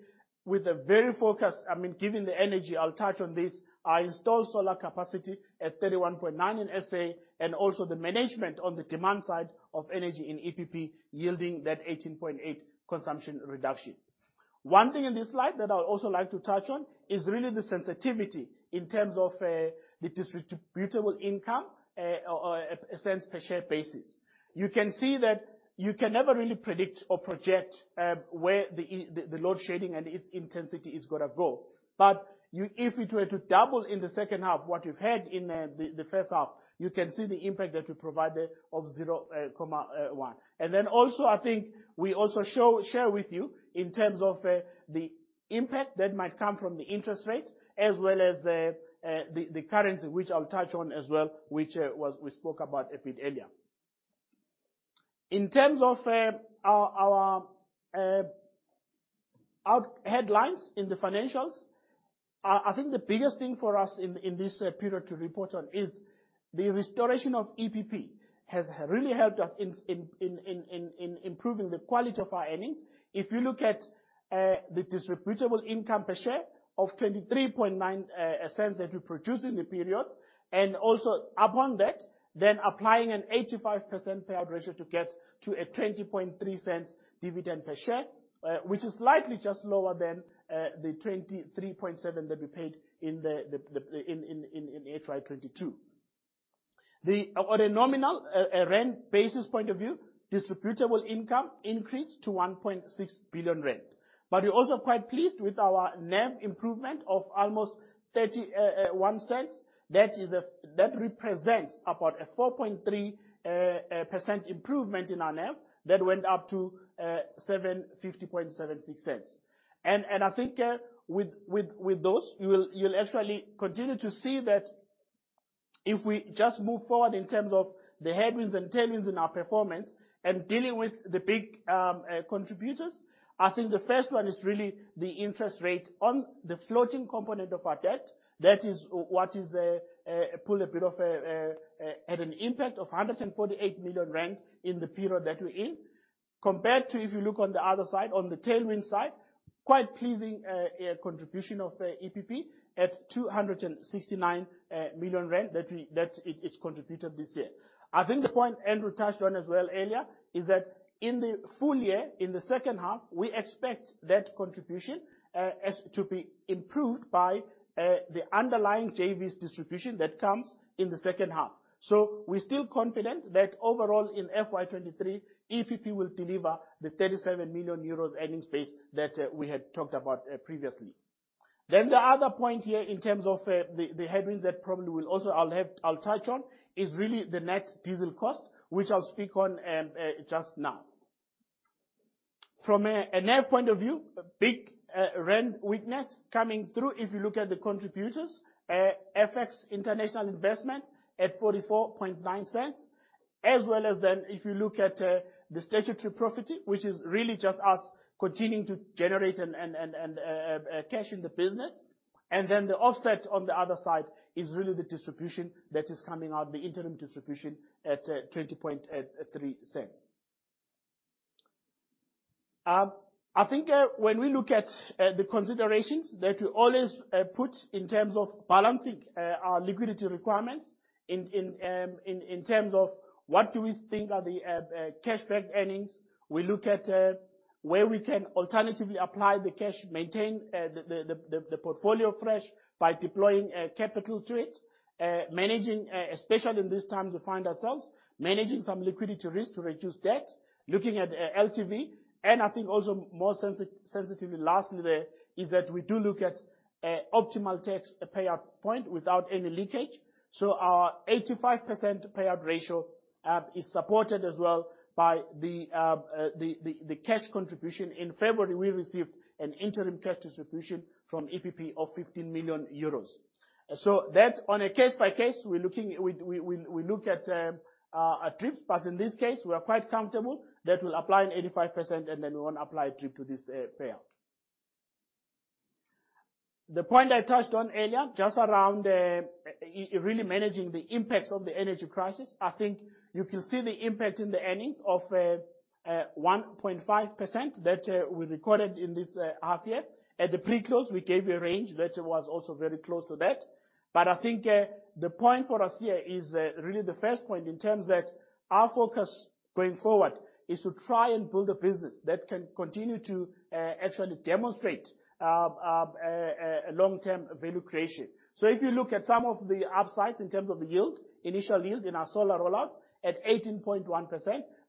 with a very focused, I mean, given the energy, I'll touch on this, our installed solar capacity at 31.9 in SA, and also the management on the demand side of energy in EPP yielding that 18.8% consumption reduction. One thing in this slide that I'd also like to touch on is really the sensitivity in terms of the distributable income or a cents per share basis. You can see that you can never really predict or project where the load shedding and its intensity is gonna go. You, if it were to double in the second half what you've had in the first half, you can see the impact that we provided of 0.1. Then also, I think we also show, share with you in terms of the impact that might come from the interest rate as well as the currency, which I'll touch on as well, which as we spoke about a bit earlier. In terms of our headlines in the financials, I think the biggest thing for us in this period to report on is that the restoration of EPP has really helped us in improving the quality of our earnings. If you look at the distributable income per share of 0.239 that we produced in the period, and also upon that, then applying an 85% payout ratio to get to a 0.203 dividend per share, which is slightly just lower than the 0.237 that we paid in FY 2022. Then, on a nominal rand basis, point of view, distributable income increased to 1.6 billion rand. We're also quite pleased with our NAV improvement of almost 0.31. That represents about a 4.3% improvement in our NAV that went up to 7.5076. I think with those, you'll actually continue to see that if we just move forward in terms of the headwinds and tailwinds in our performance and dealing with the big contributors. I think the first one is really the interest rate on the floating component of our debt. That is what is putting a bit of an impact of 148 million rand in the period that we're in. Compared to, if you look on the other side, on the tailwind side, quite pleasing contribution of EPP at 269 million rand that it has contributed this year. I think the point Andrew touched on as well earlier is that in the full year, in the second half, we expect that contribution to be improved by the underlying JV's distribution that comes in the second half. We're still confident that overall in FY 2023, EPP will deliver the 37 million euros earnings base that we had talked about previously. The other point here in terms of the headwinds that I'll touch on is really the net diesel cost, which I'll speak on just now. From a NAV point of view, a big rand weakness coming through if you look at the contributors. FX international investments at ZAR 0.449, as well as then if you look at the statutory profit, which is really just us continuing to generate and cash in the business. The offset on the other side is really the distribution that is coming out, the interim distribution at 0.203. I think when we look at the considerations that we always put in terms of balancing our liquidity requirements in terms of what do we think are the cash back earnings. We look at where we can alternatively apply the cash, maintain the portfolio fresh by deploying capital to it. Managing, especially in these times we find ourselves, some liquidity risk to reduce debt. Looking at LTV, and I think also more sensitivity. Lastly, there is that we do look at optimal tax payout point without any leakage. Our 85% payout ratio is supported as well by the cash contribution. In February, we received an interim cash distribution from EPP of 15 million euros. That on a case-by-case, we look at our DRIPS, but in this case, we are quite comfortable that we'll apply an 85%, and then we won't apply a DRIP to this payout. The point I touched on earlier, just around really managing the impacts of the energy crisis, I think you can see the impact in the earnings of 1.5% that we recorded in this half year. At the pre-close, we gave a range that was also very close to that. I think the point for us here is really the first point in terms that our focus going forward is to try and build a business that can continue to actually demonstrate long-term value creation. If you look at some of the upsides in terms of the yield, initial yield in our solar rollouts at 18.1%,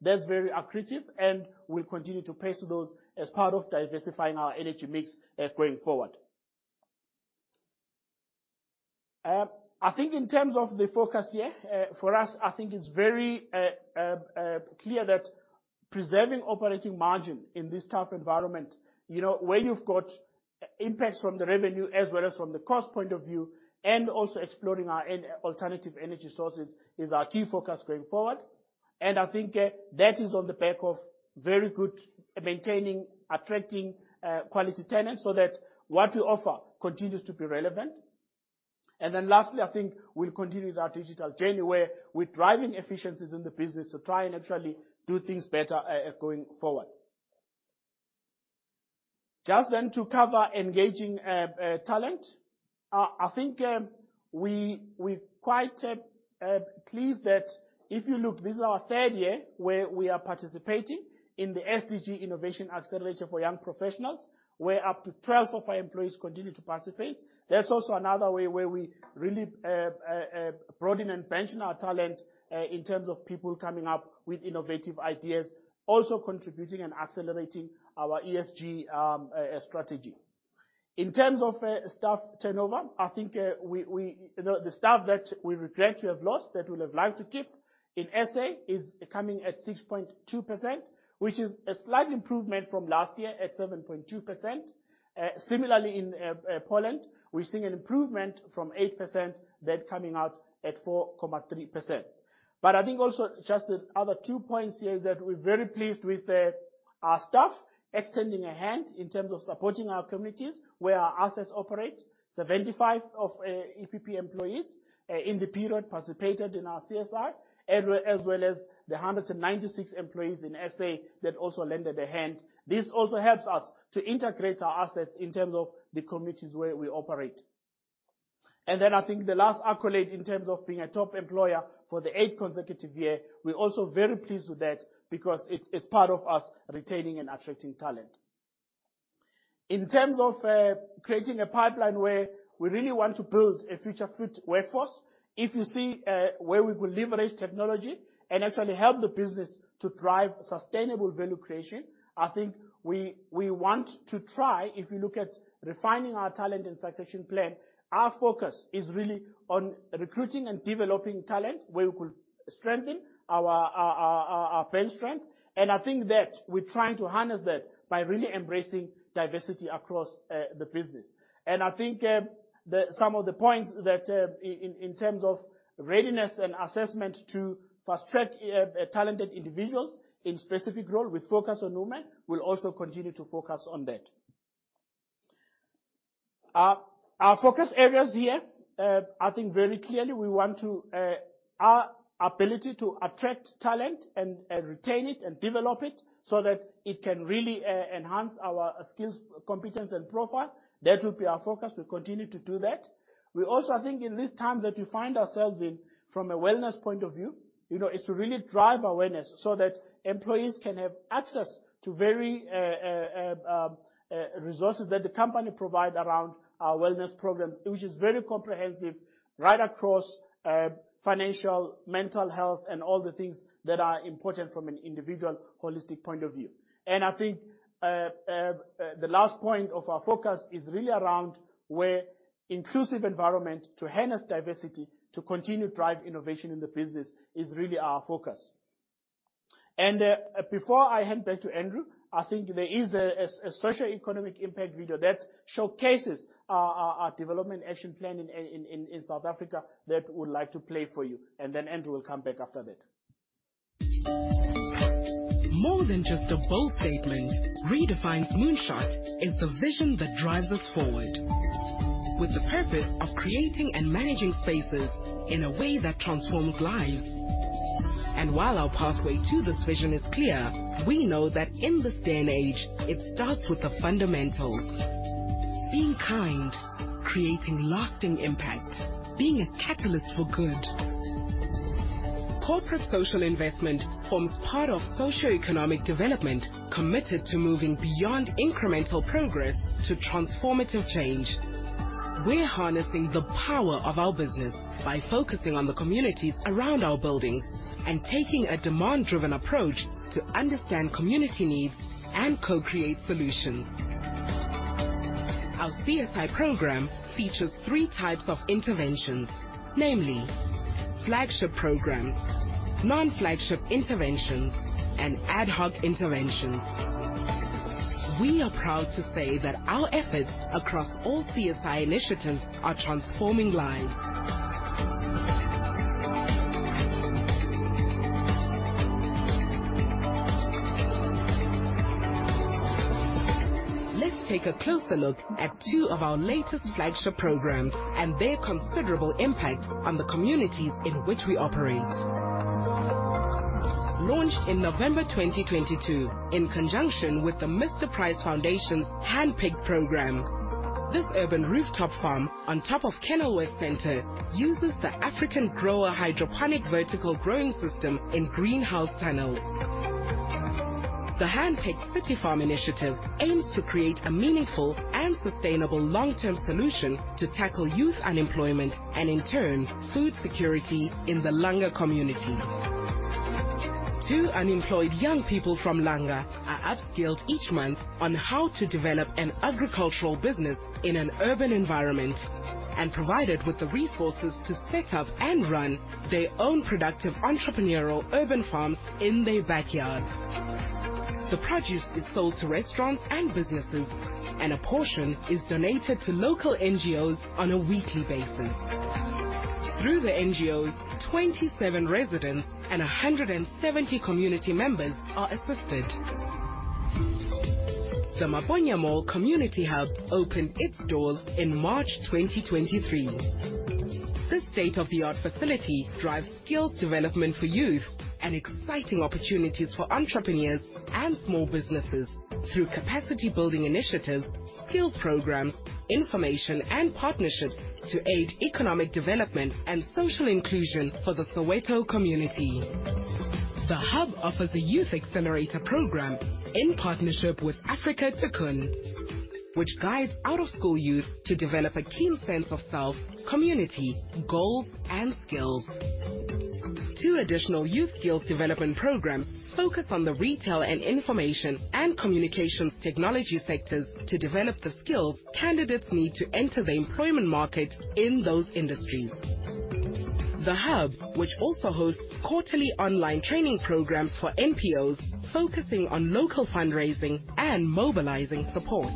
that's very accretive, and we'll continue to pace those as part of diversifying our energy mix going forward. I think in terms of the focus, for us, I think it's very clear that preserving operating margin in this tough environment, you know, where you've got impacts from the revenue as well as from the cost point of view, and also exploring our alternative energy sources is our key focus going forward. I think that is on the back of very good maintaining, attracting quality tenants so that what we offer continues to be relevant. Lastly, I think we'll continue with our digital journey where we're driving efficiencies in the business to try and actually do things better, going forward. Just then to cover engaging talent, I think we're quite pleased that if you look, this is our third year where we are participating in the SDG Innovation Accelerator for Young Professionals, where up to 12 of our employees continue to participate. That's also another way where we really broaden and bench our talent in terms of people coming up with innovative ideas, also contributing and accelerating our ESG strategy. In terms of staff turnover, I think we... You know, the staff that we regret to have lost, that we would have liked to keep in SA is coming at 6.2%, which is a slight improvement from last year at 7.2%. Similarly in Poland, we're seeing an improvement from 8% that coming out at 4.3%. I think also just the other two points here is that we're very pleased with our staff extending a hand in terms of supporting our communities where our assets operate. 75 of EPP employees in the period participated in our CSR, as well as the 196 employees in SA that also lent a hand. This also helps us to integrate our assets in terms of the communities where we operate. I think the last accolade in terms of being a top employer for the eighth consecutive year, we're also very pleased with that because it's part of us retaining and attracting talent. In terms of creating a pipeline where we really want to build a future-fit workforce, if you see where we will leverage technology and actually help the business to drive sustainable value creation, I think we want to try. If you look at refining our talent and succession plan, our focus is really on recruiting and developing talent where we could strengthen our bench strength. I think that we're trying to harness that by really embracing diversity across the business. I think some of the points that, in terms of readiness and assessment to fast-track talented individuals in specific role with focus on women, we'll also continue to focus on that. Our focus areas here, I think very clearly we want to attract talent and retain it and develop it so that it can really enhance our skills, competence and profile. That will be our focus. We'll continue to do that. We also, I think in these times that we find ourselves in, from a wellness point of view, you know, is to really drive awareness so that employees can have access to very resources that the company provide around our wellness programs, which is very comprehensive, right across financial, mental health and all the things that are important from an individual holistic point of view. I think the last point of our focus is really around an inclusive environment to harness diversity, to continue to drive innovation in the business, which is really our focus. Before I hand back to Andrew, I think there is a socioeconomic impact video that showcases our development action plan in South Africa that we would like to play for you. Andrew will come back after that. More than just a bold statement, Redefine's moonshot is the vision that drives us forward. With the purpose of creating and managing spaces in a way that transforms lives. While our pathway to this vision is clear, we know that in this day and age, it starts with the fundamentals, being kind, creating lasting impact, being a catalyst for good. Corporate social investment forms part of socioeconomic development, committed to moving beyond incremental progress to transformative change. We're harnessing the power of our business by focusing on the communities around our buildings and taking a demand-driven approach to understand community needs and co-create solutions. Our CSI program features three types of interventions, namely, flagship programs, non-flagship interventions, and ad hoc interventions. We are proud to say that our efforts across all CSI initiatives are transforming lives. Let's take a closer look at two of our latest flagship programs and their considerable impact on the communities in which we operate. Launched in November 2022, in conjunction with the Mr Price Foundation's HandPicked program, this urban rooftop farm on top of Canal Walk Shopping Centre uses the African grower hydroponic vertical growing system in greenhouse tunnels. The HandPicked City Farm initiative aims to create a meaningful and sustainable long-term solution to tackle youth unemployment and, in turn, food security in the Langa community. Two unemployed young people from Langa are upskilled each month on how to develop an agricultural business in an urban environment and provided with the resources to set up and run their own productive entrepreneurial urban farms in their backyard. The produce is sold to restaurants and businesses, and a portion is donated to local NGOs on a weekly basis. Through the NGOs, 27 residents and 170 community members are assisted. The Maboneng Mall Community Hub opened its doors in March 2023. This state-of-the-art facility drives skills development for youth and exciting opportunities for entrepreneurs and small businesses through capacity building initiatives, skills programs, information, and partnerships to aid economic development and social inclusion for the Soweto community. The hub offers a youth accelerator program in partnership with Afrika Tikkun, which guides out-of-school youth to develop a keen sense of self, community, goals, and skills. Two additional youth skills development programs focus on the retail and information and communications technology sectors to develop the skills candidates need to enter the employment market in those industries. The hub, which also hosts quarterly online training programs for NPOs, focusing on local fundraising and mobilizing support.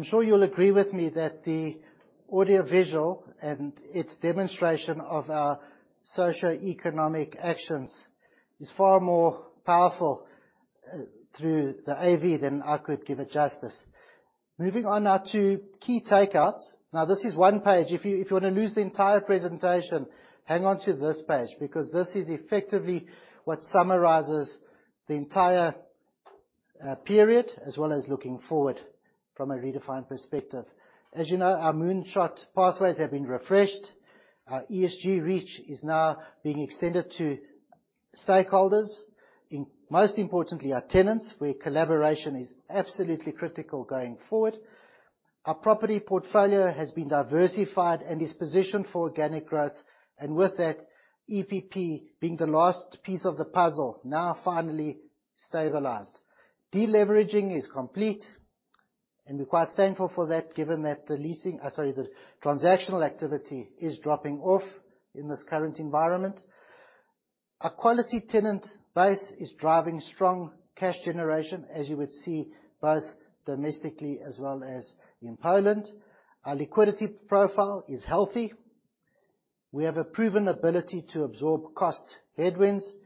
I'm sure you'll agree with me that the audio visual and its demonstration of our socioeconomic actions is far more powerful through the AV than I could give it justice. Moving on now to key takeouts. Now, this is one page. If you wanna lose the entire presentation, hang on to this page, because this is effectively what summarizes the entire period, as well as looking forward from a Redefine perspective. As you know, our moonshot pathways have been refreshed. Our ESG reach is now being extended to stakeholders, most importantly, our tenants, where collaboration is absolutely critical going forward. Our property portfolio has been diversified and is positioned for organic growth, and with that, EPP being the last piece of the puzzle now finally stabilized. Deleveraging is complete, and we're quite thankful for that, given that the leasing. I'm sorry, the transactional activity is dropping off in this current environment. Our quality tenant base is driving strong cash generation, as you would see, both domestically as well as in Poland. Our liquidity profile is healthy. We have a proven ability to absorb cost headwinds,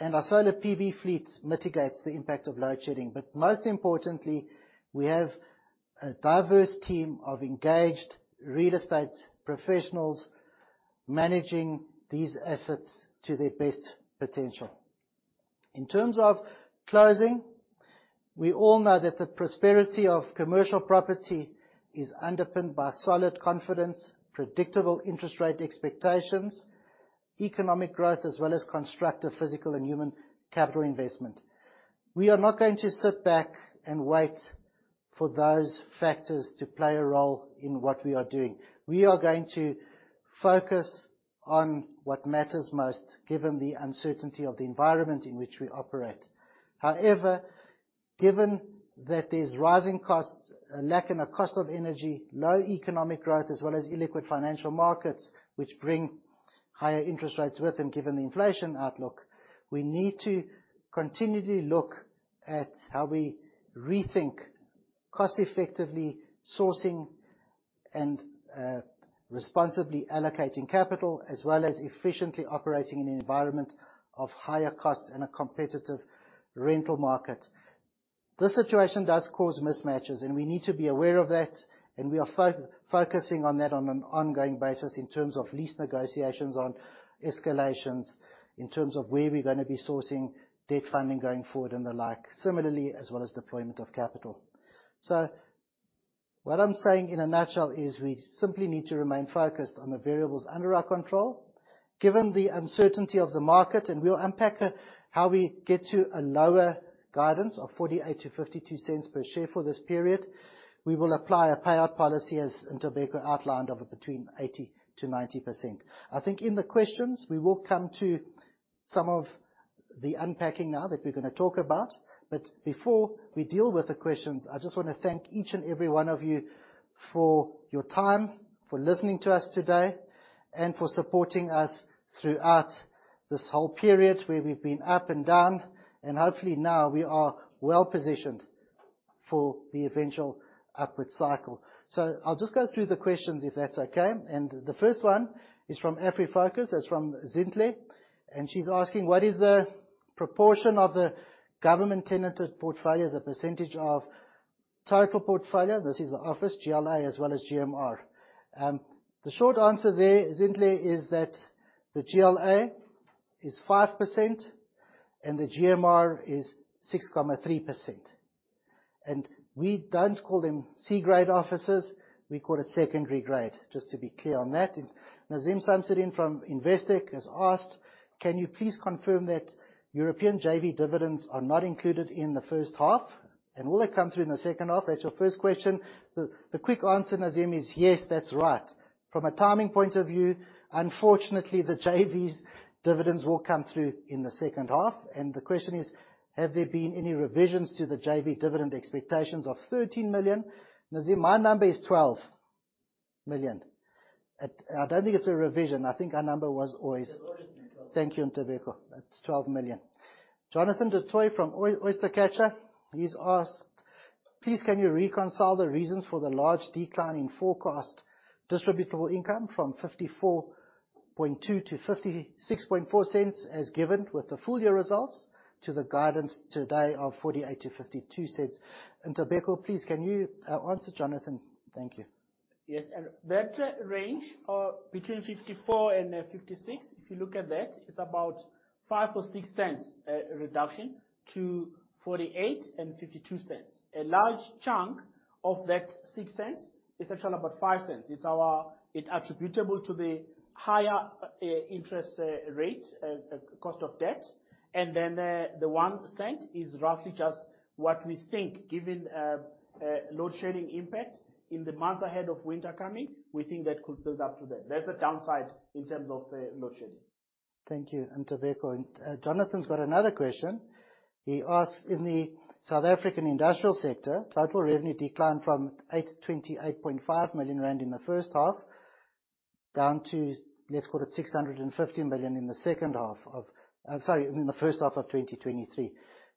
and our solar PV fleet mitigates the impact of load shedding. Most importantly, we have a diverse team of engaged real estate professionals managing these assets to their best potential. In terms of closing, we all know that the prosperity of commercial property is underpinned by solid confidence, predictable interest rate expectations, economic growth, as well as constructive physical and human capital investment. We are not going to sit back and wait for those factors to play a role in what we are doing. We are going to focus on what matters most, given the uncertainty of the environment in which we operate. However, given that there's rising costs, a lack in the cost of energy, low economic growth, as well as illiquid financial markets, which bring higher interest rates with them, given the inflation outlook, we need to continually look at how we rethink cost effectively sourcing and responsibly allocating capital, as well as efficiently operating in an environment of higher costs in a competitive rental market. This situation does cause mismatches, and we need to be aware of that, and we are focusing on that on an ongoing basis in terms of lease negotiations, on escalations, in terms of where we're gonna be sourcing debt funding going forward and the like. Similarly, as well as deployment of capital. What I'm saying, in a nutshell, is we simply need to remain focused on the variables under our control, given the uncertainty of the market, and we'll unpack how we get to a lower guidance of 0.48-0.52 per share for this period. We will apply a payout policy, as Ntobeko outlined, of between 80%-90%. I think in the questions, we will come to some of the unpacking now that we're gonna talk about. Before we deal with the questions, I just wanna thank each and every one of you for your time, for listening to us today, and for supporting us throughout this whole period where we've been up and down, and hopefully now we are well-positioned for the eventual upward cycle. I'll just go through the questions, if that's okay. The first one is from AfriFocus. That's from Zintle, and she's asking: What is the proportion of the government tenanted portfolio as a percentage of total portfolio? This is the office, GLA as well as GMR. The short answer there, Zintle, is that the GLA is 5% and the GMR is 6.3%. We don't call them C-grade offices, we call it secondary grade. Just to be clear on that. Nazeem Samsodien from Investec has asked: Can you please confirm that European JV dividends are not included in the first half, and will it come through in the second half? That's your first question. The quick answer, Nazeem, is yes, that's right. From a timing point of view, unfortunately, the JV's dividends will come through in the second half. The question is: Have there been any revisions to the JV dividend expectations of 13 million? Nazeem, my number is 12 million. I don't think it's a revision. I think our number was always. Thank you, Ntobeko. That's 12 million. Jonathan du Toit from Oyster Catcher. He's asked: Please, can you reconcile the reasons for the large decline in forecast distributable income from 0.542-0.564 as given with the full year results to the guidance today of 0.48-0.52? Ntobeko, please can you answer Jonathan? Thank you. Yes. That range of between 0.54-0.56, if you look at that, it's about 0.05 or 0.06 reduction to 0.48-0.52. A large chunk of that 0.06 is actually about 0.05. It's attributable to the higher interest rate cost of debt. The 0.01 is roughly just what we think, given load shedding impact in the months ahead of winter coming, we think that could build up to that. That's the downside in terms of the load shedding. Thank you, Ntobeko. Jonathan's got another question. He asks: In the South African industrial sector, total revenue declined from 828 to 28.5 million rand in the first half, down to, let's call it 615 million in the first half of 2023.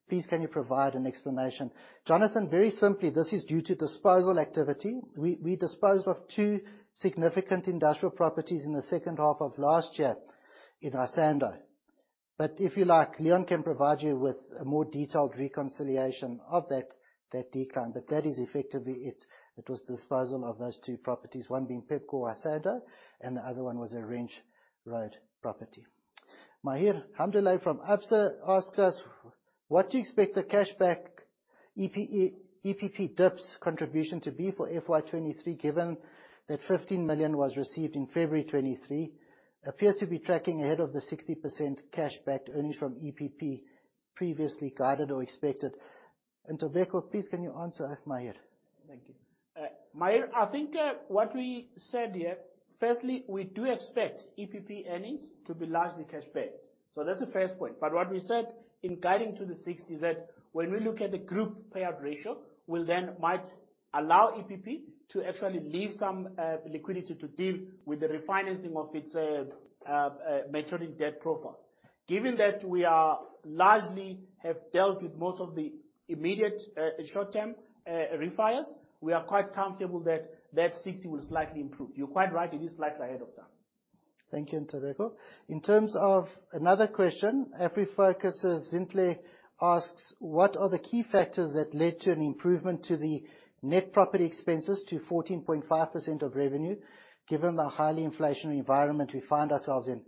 Please can you provide an explanation? Jonathan, very simply, this is due to disposal activity. We disposed of two significant industrial properties in the second half of last year in Isando. If you like, Leon can provide you with a more detailed reconciliation of that decline, but that is effectively it. It was disposal of those two properties, one being Pepkor Isando, and the other one was a Range Road property. Mahir Hamdulay from Absa asked us: What do you expect the cash back from EPP's contribution to be for FY 2023, given that 15 million was received in February 2023 appears to be tracking ahead of the 60% cash back earnings from EPP previously guided or expected. Ntobeko, please, can you answer Mahir? Thank you. Mahir, I think, what we said here, firstly, we do expect EPP earnings to be largely cash backed. That's the first point. What we said in guiding to the 60 is that when we look at the group payout ratio, we'll then might allow EPP to actually leave some liquidity to deal with the refinancing of its maturing debt profiles. Given that we are largely have dealt with most of the immediate short-term refis, we are quite comfortable that that 60 will slightly improve. You're quite right, it is slightly ahead of time. Thank you, Ntobeko. In terms of another question, AfriFocus' Zintle asks: What are the key factors that led to an improvement to the net property expenses to 14.5% of revenue, given the highly inflationary environment we find ourselves in?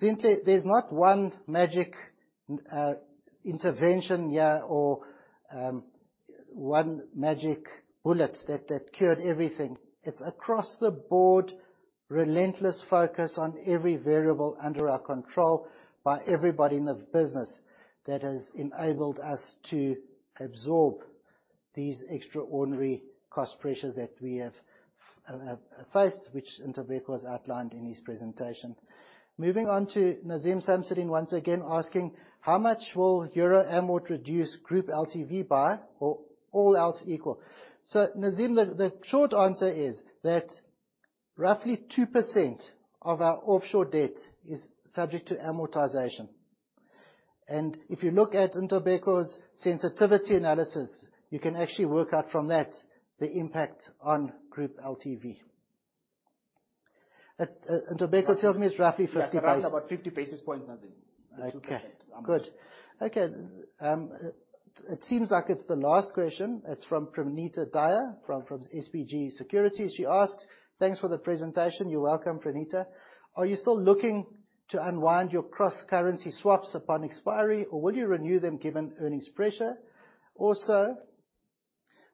Zintle, there's not one magic intervention here or one magic bullet that cured everything. It's across the board, relentless focus on every variable under our control by everybody in the business that has enabled us to absorb these extraordinary cost pressures that we have faced, which Ntobeko has outlined in his presentation. Moving on to Nazeem Samsodien once again asking: How much will euro amort reduce group LTV by or all else equal? So Nazeem, the short answer is that roughly 2% of our offshore debt is subject to amortization. If you look at Ntobeko's sensitivity analysis, you can actually work out from that the impact on group LTV. Ntobeko tells me it's roughly 50 basis. That's around about 50 basis points, Nazeem. Okay. The 2% amortization. Good. Okay, it seems like it's the last question. It's from Pranita Daya from SBG Securities. She asks: Thanks for the presentation. You're welcome, Pranita Daya. Are you still looking to unwind your cross-currency swaps upon expiry, or will you renew them given earnings pressure? Also,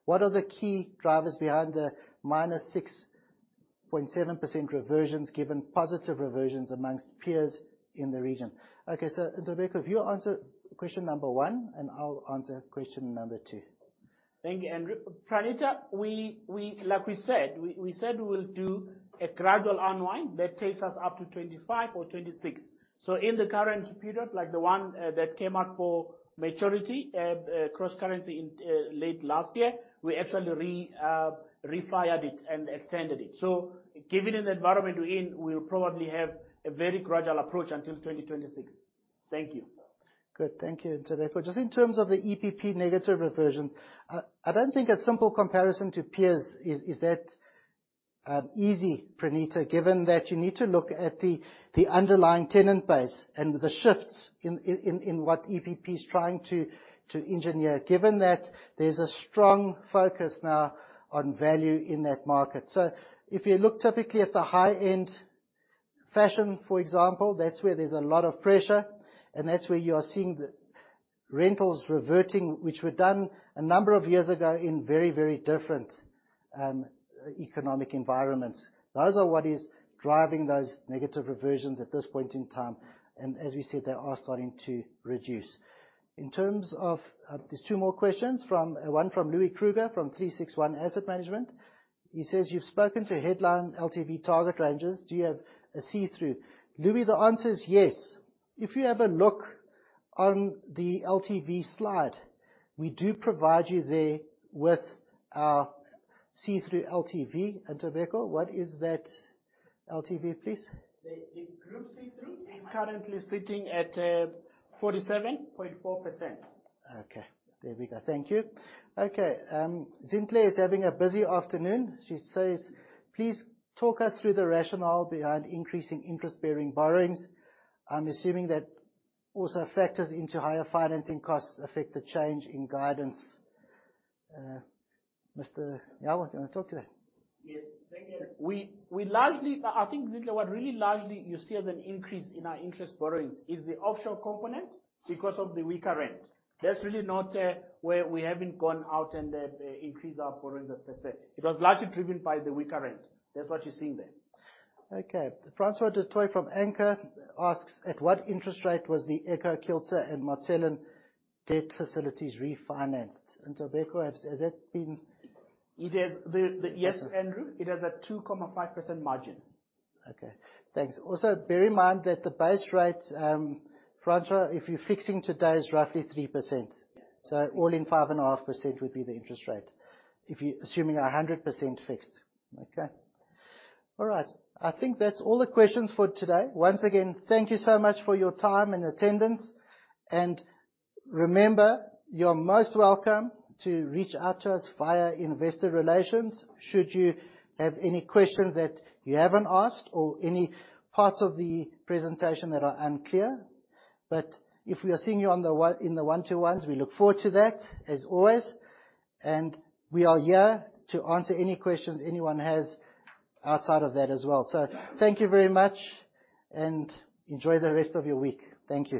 what are the key drivers behind the -6.7% reversions, given positive reversions amongst peers in the region? Okay. Ntobeko, if you answer question number one, and I'll answer question number two. Thank you, Andrew. Pranita, like we said, we'll do a gradual unwind that takes us up to 25 or 26. In the current period, like the one that came out for maturity, cross-currency in late last year, we actually refinanced it and extended it. Given the environment we're in, we'll probably have a very gradual approach until 2026. Thank you. Good. Thank you, Ntobeko. Just in terms of the EPP negative reversions, I don't think a simple comparison to peers is that easy, Pranita, given that you need to look at the underlying tenant base and the shifts in what EPP is trying to engineer, given that there's a strong focus now on value in that market. If you look typically at the high-end fashion, for example, that's where there's a lot of pressure, and that's where you are seeing the rentals reverting, which were done a number of years ago in very different economic environments. Those are what is driving those negative reversions at this point in time, and as we said, they are starting to reduce. In terms of, there's two more questions. One from Louis Kruger from 36ONE Asset Management. He says you've spoken to headline LTV target ranges. Do you have a see-through? Louis, the answer is yes. If you have a look on the LTV slide, we do provide you there with our see-through LTV. Ntobeko, what is that LTV, please? The group see-through is currently sitting at 47.4%. Okay. There we go. Thank you. Okay, Zintle is having a busy afternoon. She says, please talk us through the rationale behind increasing interest-bearing borrowings. I'm assuming that also factors into higher financing costs affect the change in guidance. Mr. Nyawo, do you wanna talk to that? Yes. Thank you. We largely. I think, Zintle, what really largely you see as an increase in our interest borrowings is the offshore component because of the weaker rand. That's really not where we haven't gone out and increased our borrowings per se. It was largely driven by the weaker rand. That's what you're seeing there. Okay. Francois du Toit from Anchor asks, at what interest rate was the Echo, Kilser, and mBank debt facilities refinanced? Ntobeko, has that been- Yes, Andrew. It has a 2.5% margin. Okay. Thanks. Also, bear in mind that the base rate, Francois, if you're fixing today, is roughly 3%. All in 5.5% would be the interest rate, if you're assuming 100% fixed. Okay? All right. I think that's all the questions for today. Once again, thank you so much for your time and attendance. Remember, you're most welcome to reach out to us via investor relations should you have any questions that you haven't asked or any parts of the presentation that are unclear. If we are seeing you in the one-to-ones, we look forward to that, as always. We are here to answer any questions anyone has outside of that as well. Thank you very much and enjoy the rest of your week. Thank you.